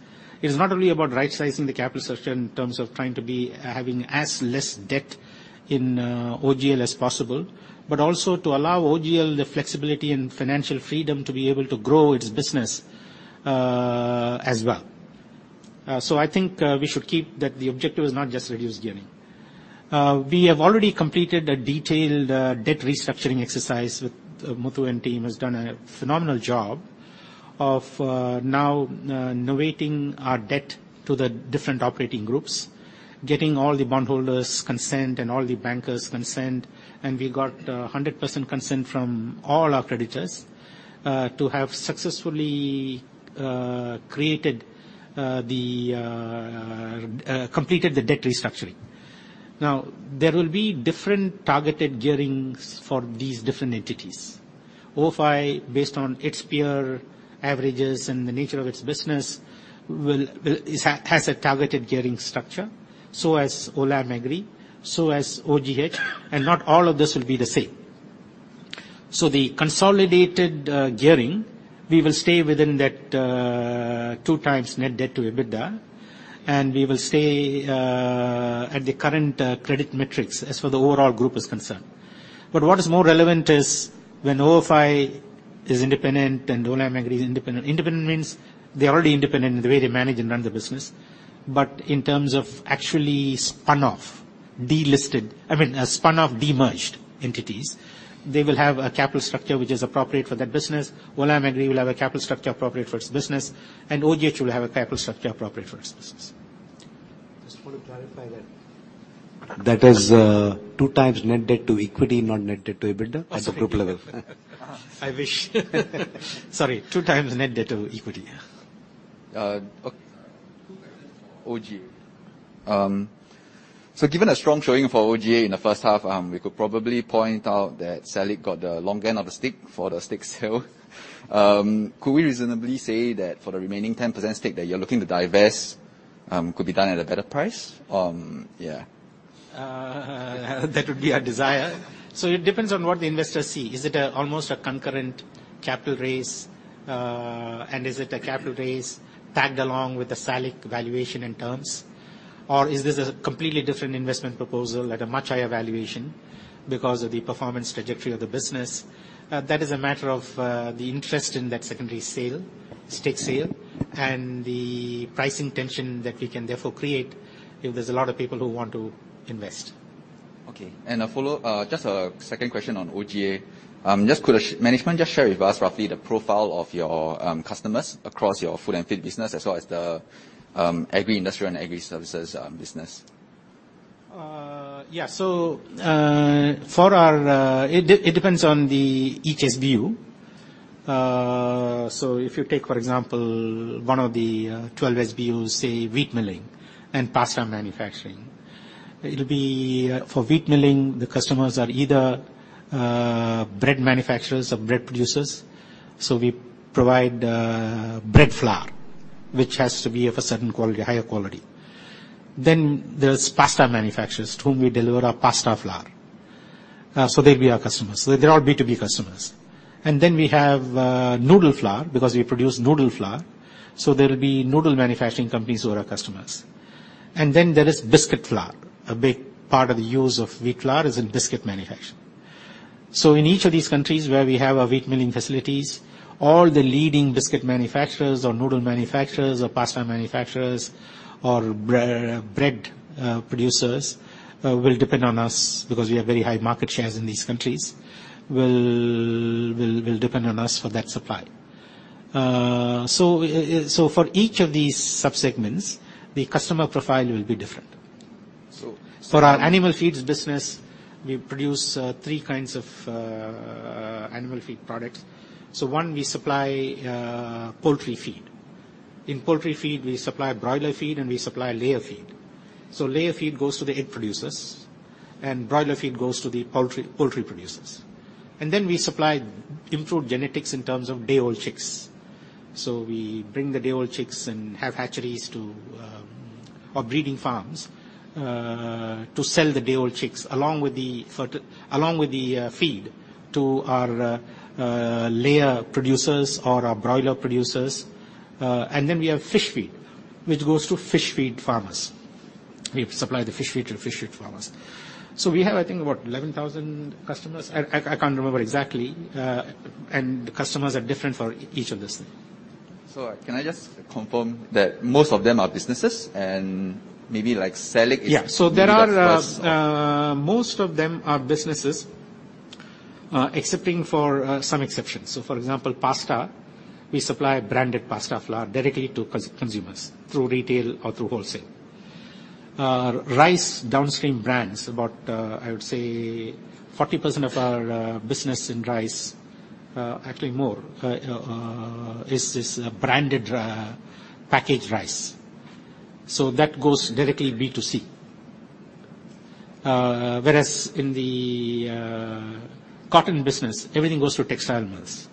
it is not only about rightsizing the capital structure in terms of trying to be having as less debt in OGL as possible, but also to allow OGL the flexibility and financial freedom to be able to grow its business as well. I think we should keep that the objective is not just reduce gearing. We have already completed a detailed debt restructuring exercise with Muthu and team has done a phenomenal job of now novating our debt to the different operating groups, getting all the bondholders' consent and all the bankers' consent, and we got 100% consent from all our creditors to have successfully completed the debt restructuring. Now, there will be different targeted gearings for these different entities. ofi, based on its peer averages and the nature of its business, will have a targeted gearing structure, so has Olam Agri, so has OGH, and not all of this will be the same. The consolidated gearing, we will stay within that 2x net debt to EBITDA, and we will stay at the current credit metrics as far as the overall group is concerned. What is more relevant is when ofi is independent and Olam Agri is independent. Independent means they are already independent in the way they manage and run the business. In terms of actually spun off, delisted, I mean, demerged entities, they will have a capital structure which is appropriate for that business. Olam Agri will have a capital structure appropriate for its business, and OGH will have a capital structure appropriate for its business. Just want to clarify that. That is, 2x net debt to equity, not net debt to EBITDA at the group level. I wish. Sorry. 2x net debt to equity. Yeah. Two questions for OGA. Given a strong showing for OGA in the H1, we could probably point out that SALIC got the long end of the stick for the stake sale. Could we reasonably say that for the remaining 10% stake that you're looking to divest, could be done at a better price? Yeah. That would be our desire. It depends on what the investors see. Is it almost a concurrent capital raise? Is it a capital raise tagged along with the SALIC valuation in terms? Or is this a completely different investment proposal at a much higher valuation because of the performance trajectory of the business? That is a matter of the interest in that secondary sale, stake sale, and the pricing tension that we can therefore create if there's a lot of people who want to invest. Just a second question on OGA. Could the management just share with us roughly the profile of your customers across your Food and Feed business as well as the Agri-Industrial and Agri Sservices business. It depends on each SBU. If you take, for example, one of the 12 SBUs, say, wheat milling and pasta manufacturing, it'll be. For wheat milling, the customers are either bread manufacturers or bread producers. We provide bread flour, which has to be of a certain quality, higher quality. There's pasta manufacturers to whom we deliver our pasta flour. They'll be our customers. They're all B2B customers. We have noodle flour, because we produce noodle flour. There'll be noodle manufacturing companies who are our customers. There is biscuit flour. A big part of the use of wheat flour is in biscuit manufacture. In each of these countries where we have our wheat milling facilities, all the leading biscuit manufacturers or noodle manufacturers or pasta manufacturers or bread producers will depend on us because we have very high market shares in these countries, will depend on us for that supply. For each of these sub-segments, the customer profile will be different. So, for our animal feeds business, we produce three kinds of animal feed products. One, we supply poultry feed. In poultry feed, we supply broiler feed and we supply layer feed. Layer feed goes to the egg producers and broiler feed goes to the poultry producers. We supply improved genetics in terms of day-old chicks. We bring the day-old chicks and have hatcheries or breeding farms to sell the day-old chicks along with the feed to our layer producers or our broiler producers. We have fish feed, which goes to fish feed farmers. We supply the fish feed to the fish feed farmers. We have, I think, about 11,000 customers. I can't remember exactly. The customers are different for each of this thing. Can I just confirm that most of them are businesses and maybe like selling? Yeah. If you give us- Most of them are businesses, excepting for some exceptions. For example, pasta, we supply branded pasta flour directly to consumers through retail or through wholesale. Rice downstream brands, about, I would say 40% of our business in rice, actually more, is branded, packaged rice. That goes directly B2C. Whereas in the cotton business, everything goes through textile mills.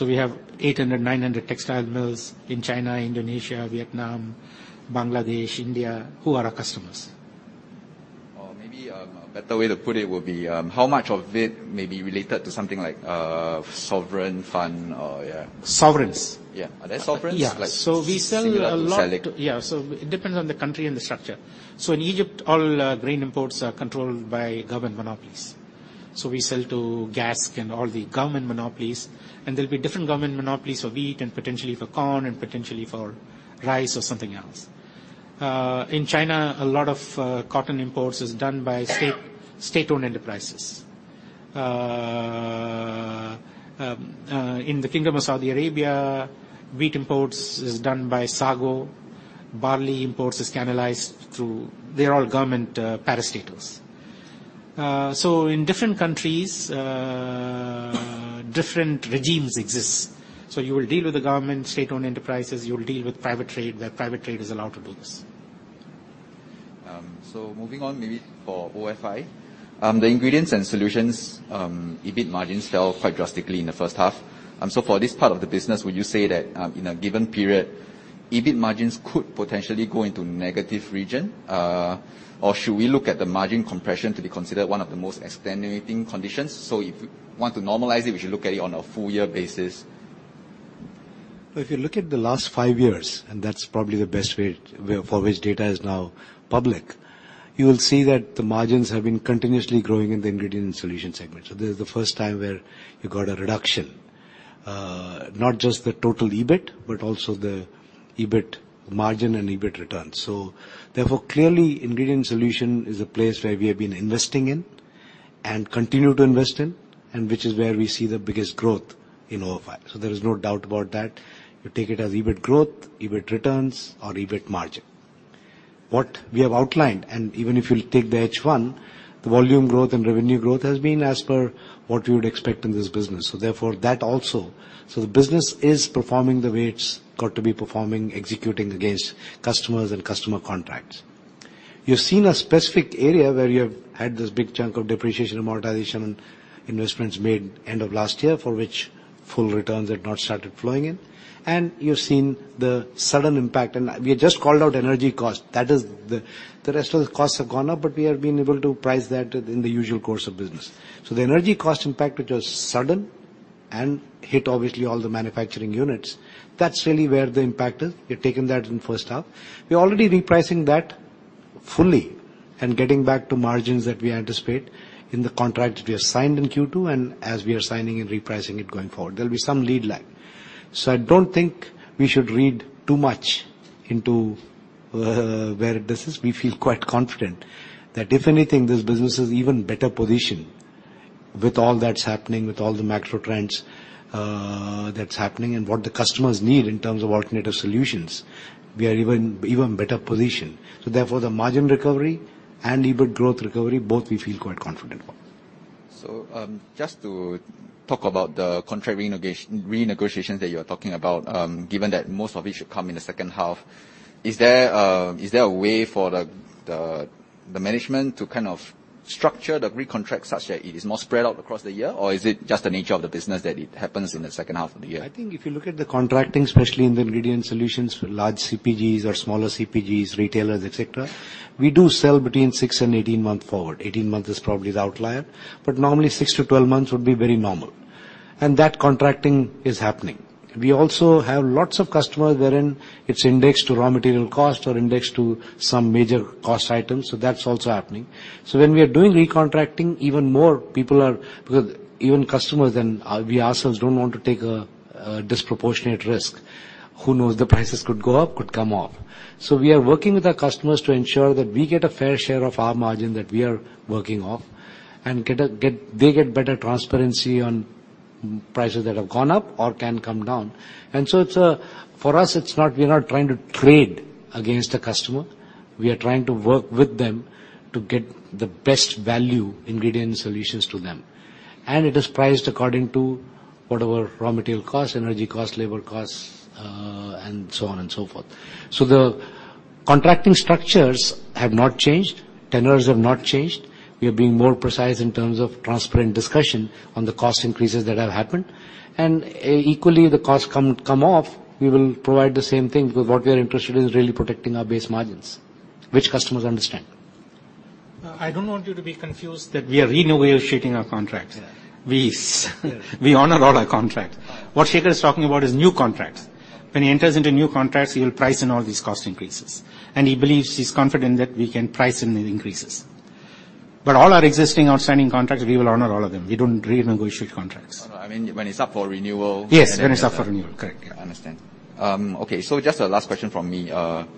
We have 800-900 textile mills in China, Indonesia, Vietnam, Bangladesh, India, who are our customers. Maybe a better way to put it would be how much of it may be related to something like sovereign fund? Sovereigns? Yeah. Are they sovereigns? Yeah. Like, similar to selling. It depends on the country and the structure. In Egypt, all grain imports are controlled by government monopolies. We sell to GASC and all the government monopolies, and there'll be different government monopolies for wheat and potentially for corn and potentially for rice or something else. In China, a lot of cotton imports is done by state-owned enterprises. In the Kingdom of Saudi Arabia, wheat imports is done by SAGO. Barley imports is canalized through. They're all government parastatals. In different countries, different regimes exist. You will deal with the government, state-owned enterprises, you'll deal with private trade where private trade is allowed to do this. Moving on maybe for ofi. The ingredients and solutions, EBIT margins fell quite drastically in the H1. For this part of the business, would you say that in a given period, EBIT margins could potentially go into negative territory? Or should we look at the margin compression to be considered one of the most exceptional conditions? If you want to normalize it, we should look at it on a full year basis? If you look at the last five years, and that's probably the best way, where for which data is now public, you will see that the margins have been continuously growing in the ingredient solution segment. This is the first time where you got a reduction, not just the total EBIT, but also the EBIT margin and EBIT returns. Therefore, clearly, ingredient solution is a place where we have been investing in and continue to invest in, and which is where we see the biggest growth in ofi. There is no doubt about that. You take it as EBIT growth, EBIT returns, or EBIT margin. What we have outlined, and even if you'll take the H1, the volume growth and revenue growth has been as per what you would expect in this business. Therefore, that also. The business is performing the way it's got to be performing, executing against customers and customer contracts. You've seen a specific area where you've had this big chunk of depreciation and amortization investments made end of last year, for which full returns had not started flowing in. You've seen the sudden impact. We just called out energy cost. That is the rest of the costs have gone up, but we have been able to price that within the usual course of business. The energy cost impact, which was sudden and hit obviously all the manufacturing units, that's really where the impact is. We've taken that in the H1. We're already repricing that fully and getting back to margins that we anticipate in the contracts we have signed in Q2 and as we are signing and repricing it going forward. There'll be some lead lag. I don't think we should read too much into where it is. We feel quite confident that if anything, this business is even better positioned with all that's happening, with all the macro trends, that's happening and what the customers need in terms of alternative solutions. We are even better positioned. Therefore, the margin recovery and EBIT growth recovery, both we feel quite confident about. Just to talk about the contract renegotiation that you're talking about, given that most of it should come in the H2, is there a way for the management to structure the recontract such that it is more spread out across the year? Or is it just the nature of the business that it happens in the H2 of the year? I think if you look at the contracting, especially in the ingredient solutions for large CPGs or smaller CPGs, retailers, et cetera, we do sell between six and 18 month forward. 18 months is probably the outlier, but normally six to 12 months would be very normal. That contracting is happening. We also have lots of customers wherein it's indexed to raw material cost or indexed to some major cost items. That's also happening. When we are doing re-contracting, even more people are, even customers and we ourselves don't want to take a disproportionate risk. Who knows, the prices could go up, could come off. We are working with our customers to ensure that we get a fair share of our margin that we are working off and get. They get better transparency on prices that have gone up or can come down. It's for us. It's not. We're not trying to trade against the customer. We are trying to work with them to get the best value ingredient solutions to them. It is priced according to whatever raw material costs, energy costs, labor costs, and so on and so forth. The contracting structures have not changed, tenures have not changed. We are being more precise in terms of transparent discussion on the cost increases that have happened. Equally, the costs come off, we will provide the same thing, because what we are interested in is really protecting our base margins, which customers understand. No, I don't want you to be confused that we are renegotiating our contracts. Yeah. We honor all our contracts. All right. What Shekhar is talking about is new contracts. When he enters into new contracts, he will price in all these cost increases, and he believes, he's confident that we can price in the increases. All our existing outstanding contracts, we will honor all of them. We don't renegotiate contracts. No, I mean when it's up for renewal. Yes, when it's up for renewal. Correct, yeah. I understand. Okay, just a last question from me. Can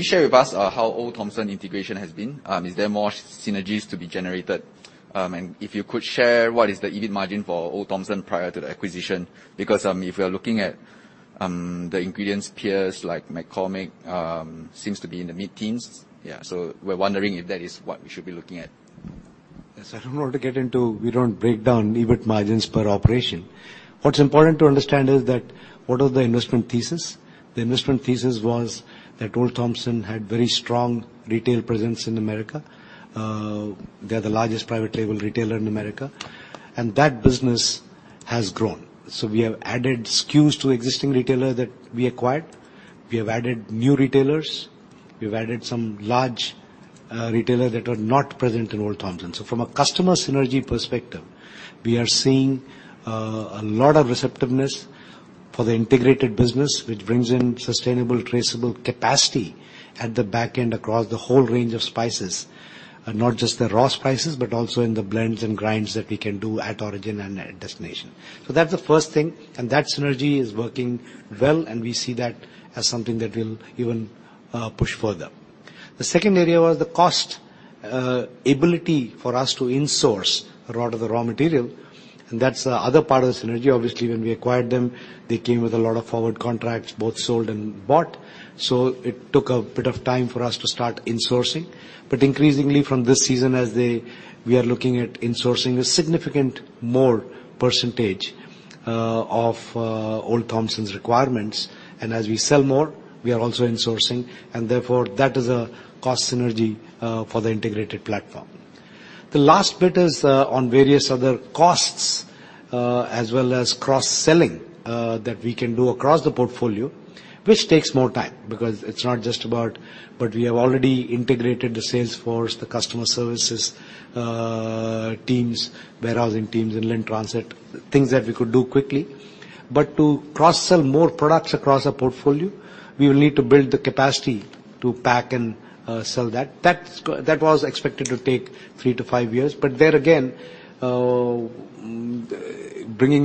you share with us how Olde Thompson's integration has been? Is there more synergies to be generated? And if you could share what is the EBIT margin for Olde Thompson prior to the acquisition? Because if you are looking at the ingredients peers like McCormick, seems to be in the mid-teens. Yeah, we're wondering if that is what we should be looking at. Yes. We don't break down EBIT margins per operation. What's important to understand is that what is the investment thesis? The investment thesis was that Olde Thompson had very strong retail presence in America. They're the largest private label retailer in America, and that business has grown. We have added SKUs to existing retailers that we acquired. We have added new retailers. We've added some large retailers that are not present in Olde Thompson. From a customer synergy perspective, we are seeing a lot of receptiveness for the integrated business, which brings in sustainable, traceable capacity at the back end across the whole range of spices. Not just the raw spices, but also in the blends and grinds that we can do at origin and at destination. That's the first thing, and that synergy is working well, and we see that as something that will even push further. The second area was the cost ability for us to in-source a lot of the raw material, and that's the other part of the synergy. Obviously, when we acquired them, they came with a lot of forward contracts, both sold and bought. It took a bit of time for us to start in-sourcing. Increasingly from this season we are looking at in-sourcing a significant more percentage of Olde Thompson's requirements. And as we sell more, we are also in-sourcing, and therefore, that is a cost synergy for the integrated platform. The last bit is on various other costs as well as cross-selling that we can do across the portfolio, which takes more time because it's not just about. We have already integrated the sales force, the customer services teams, warehousing teams, inland transit, things that we could do quickly. To cross-sell more products across our portfolio, we will need to build the capacity to pack and sell that. That was expected to take three to five years. There again, bringing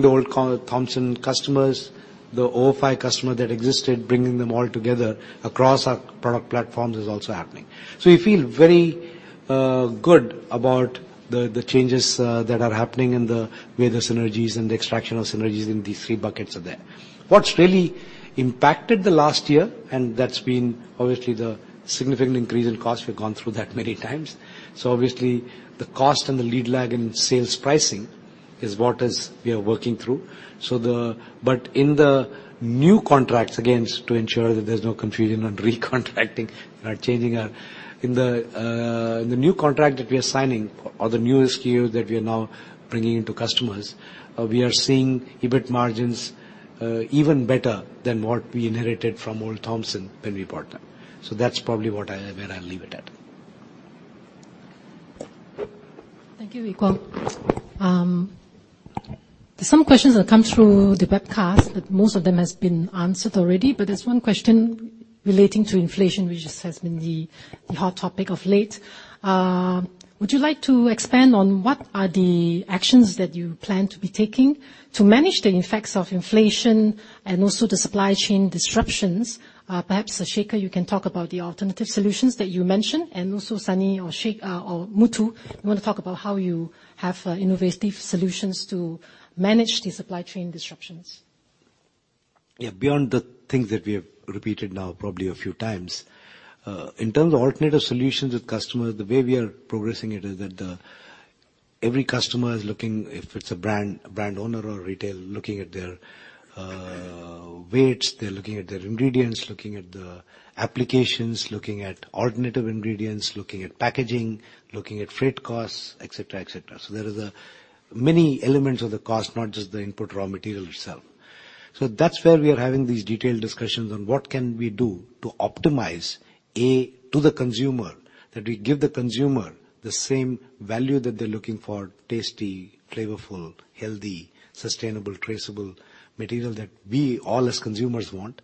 the Olde Thompson customers, the ofi customer that existed, bringing them all together across our product platforms is also happening. We feel very good about the changes that are happening in the way the synergies and the extraction of synergies in these three buckets are there. What's really impacted the last year, and that's been obviously the significant increase in cost. We've gone through that many times. Obviously the cost and the lead lag in sales pricing is what we are working through. In the new contracts, again, to ensure that there's no confusion on recontracting or changing our. In the new contract that we are signing or the new SKU that we are now bringing into customers, we are seeing EBIT margins even better than what we inherited from Olde Thompson when we bought them. That's probably where I'll leave it at. Thank you, Nikaun. There's some questions that come through the webcast, but most of them has been answered already. There's one question relating to inflation, which just has been the hot topic of late. Would you like to expand on what are the actions that you plan to be taking to manage the effects of inflation and also the supply chain disruptions? Perhaps Shekhar, you can talk about the alternative solutions that you mentioned. Also Sunny or Muthu, you wanna talk about how you have innovative solutions to manage the supply chain disruptions. Yeah. Beyond the things that we have repeated now probably a few times, in terms of alternative solutions with customers, the way we are progressing it is that every customer is looking, if it's a brand, a brand owner or a retailer, looking at their weights, they're looking at their ingredients, looking at the applications, looking at alternative ingredients, looking at packaging, looking at freight costs, et cetera, et cetera. There is many elements of the cost, not just the input raw material itself. That's where we are having these detailed discussions on what can we do to optimize to the consumer, that we give the consumer the same value that they're looking for, tasty, flavorful, healthy, sustainable, traceable material that we all as consumers want,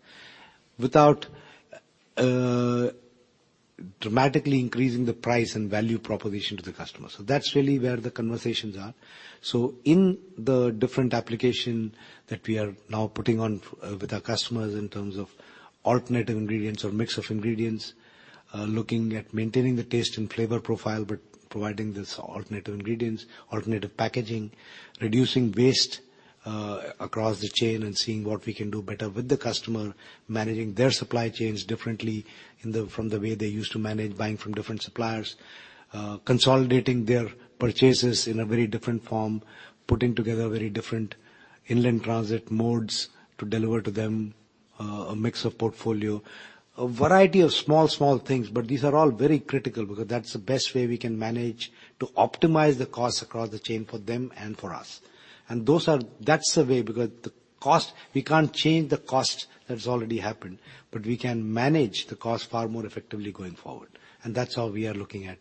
without dramatically increasing the price and value proposition to the customer. That's really where the conversations are. In the different application that we are now focusing with our customers in terms of alternative ingredients or mix of ingredients, looking at maintaining the taste and flavor profile, but providing this alternative ingredients, alternative packaging, reducing waste, across the chain and seeing what we can do better with the customer, managing their supply chains differently from the way they used to manage buying from different suppliers, consolidating their purchases in a very different form, putting together very different inland transit modes to deliver to them, a mix of portfolio. A variety of small things, but these are all very critical because that's the best way we can manage to optimize the costs across the chain for them and for us. Those are. That's the way because the cost, we can't change the cost that's already happened, but we can manage the cost far more effectively going forward. That's how we are looking at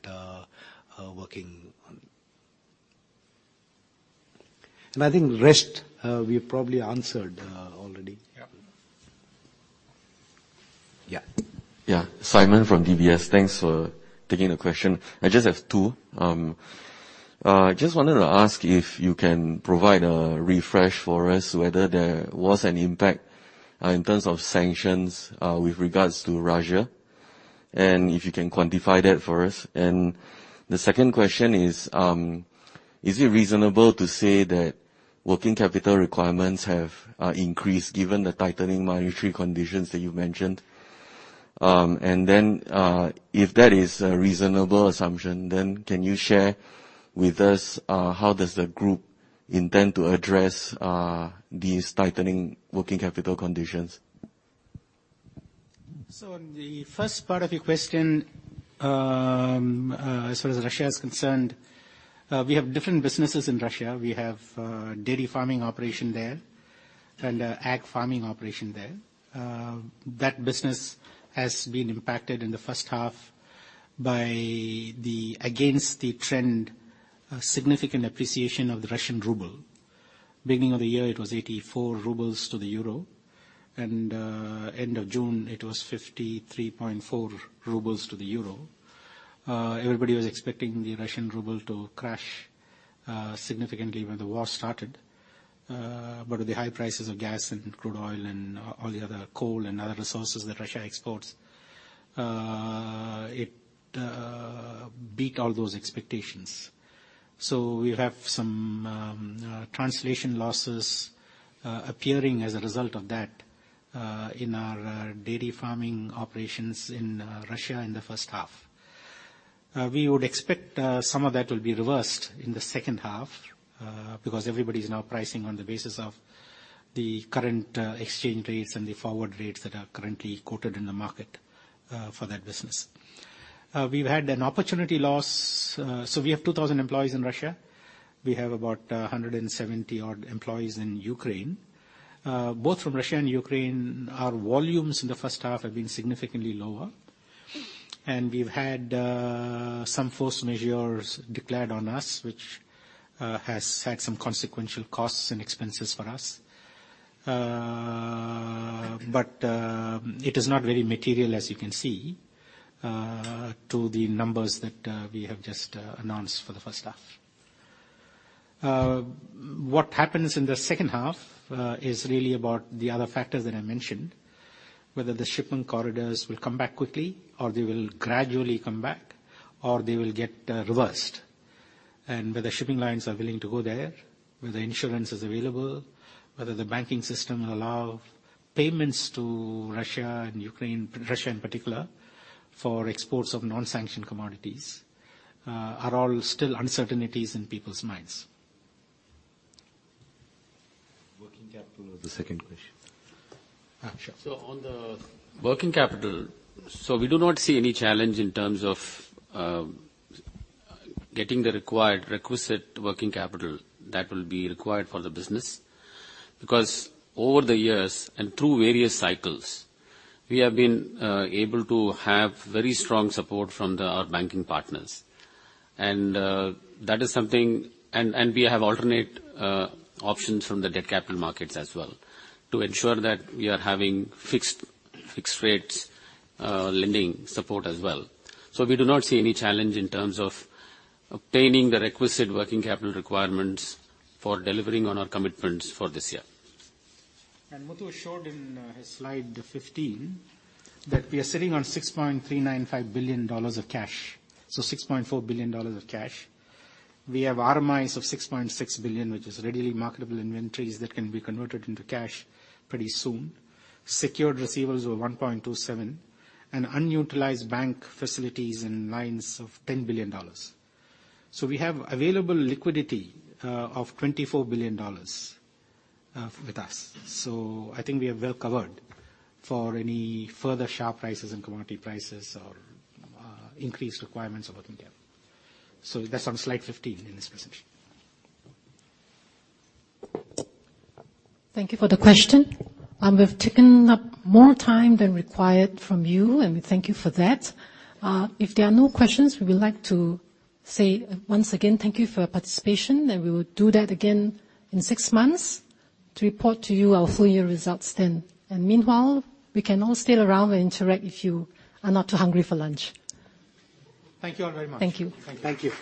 working. I think the rest we probably answered already. Yeah. Yeah. Yeah. Simon from DBS. Thanks for taking the question. I just have two. Just wanted to ask you if you can provide a refresh for us whether there was an impact in terms of sanctions with regards to Russia, and if you can quantify that for us. The second question is it reasonable to say that working capital requirements have increased given the tightening monetary conditions that you mentioned? If that is a reasonable assumption, then can you share with us how does the group intend to address these tightening working capital conditions? On the first part of your question, as far as Russia is concerned, we have different businesses in Russia. We have dairy farming operation there and Ag Farming operation there. That business has been impacted in the H1 by the, against the trend, a significant appreciation of the Russian ruble. Beginning of the year, it was 84 rubles to the euro, and end of June it was 53.4 rubles to the euro. Everybody was expecting the Russian ruble to crash significantly when the war started. With the high prices of gas and crude oil and all the other coal and other resources that Russia exports, it beat all those expectations. We have some translation losses appearing as a result of that in our dairy farming operations in Russia in the H1. We would expect some of that will be reversed in the H2 because everybody's now pricing on the basis of the current exchange rates and the forward rates that are currently quoted in the market for that business. We've had an opportunity loss. We have 2,000 employees in Russia. We have about 170 odd employees in Ukraine. Both from Russia and Ukraine, our volumes in the H1 have been significantly lower. We've had some force majeure declared on us, which has had some consequential costs and expenses for us. It is not very material, as you can see, to the numbers that we have just announced for the H1. What happens in the H2 is really about the other factors that I mentioned, whether the shipment corridors will come back quickly or they will gradually come back, or they will get reversed. Whether shipping lines are willing to go there, whether insurance is available, whether the banking system allow payments to Russia and Ukraine, Russia in particular, for exports of non-sanctioned commodities, are all still uncertainties in people's minds. Working capital was the second question. Sure. On the working capital, we do not see any challenge in terms of getting the required requisite working capital that will be required for the business. Because over the years and through various cycles, we have been able to have very strong support from our banking partners and that is something. And we have alternate options from the debt capital markets as well to ensure that we are having fixed rates lending support as well. We do not see any challenge in terms of obtaining the requisite working capital requirements for delivering on our commitments for this year. Muthu showed in his slide 15 that we are sitting on 6.395 billion dollars of cash, so 6.4 billion dollars of cash. We have RMIs of 6.6 billion, which is readily marketable inventories that can be converted into cash pretty soon. Secured receivables were 1.27 billion, and unutilized bank facilities and lines of 10 billion dollars. We have available liquidity of 24 billion dollars with us. I think we are well covered for any further sharp rises in commodity prices or increased requirements of working capital. That's on slide 15 in this presentation. Thank you for the question. We've taken up more time than required from you, and we thank you for that. If there are no questions, we would like to say once again, thank you for your participation, and we will do that again in six months to report to you our full year results then. Meanwhile, we can all stay around and interact if you are not too hungry for lunch. Thank you all very much. Thank you. Thank you.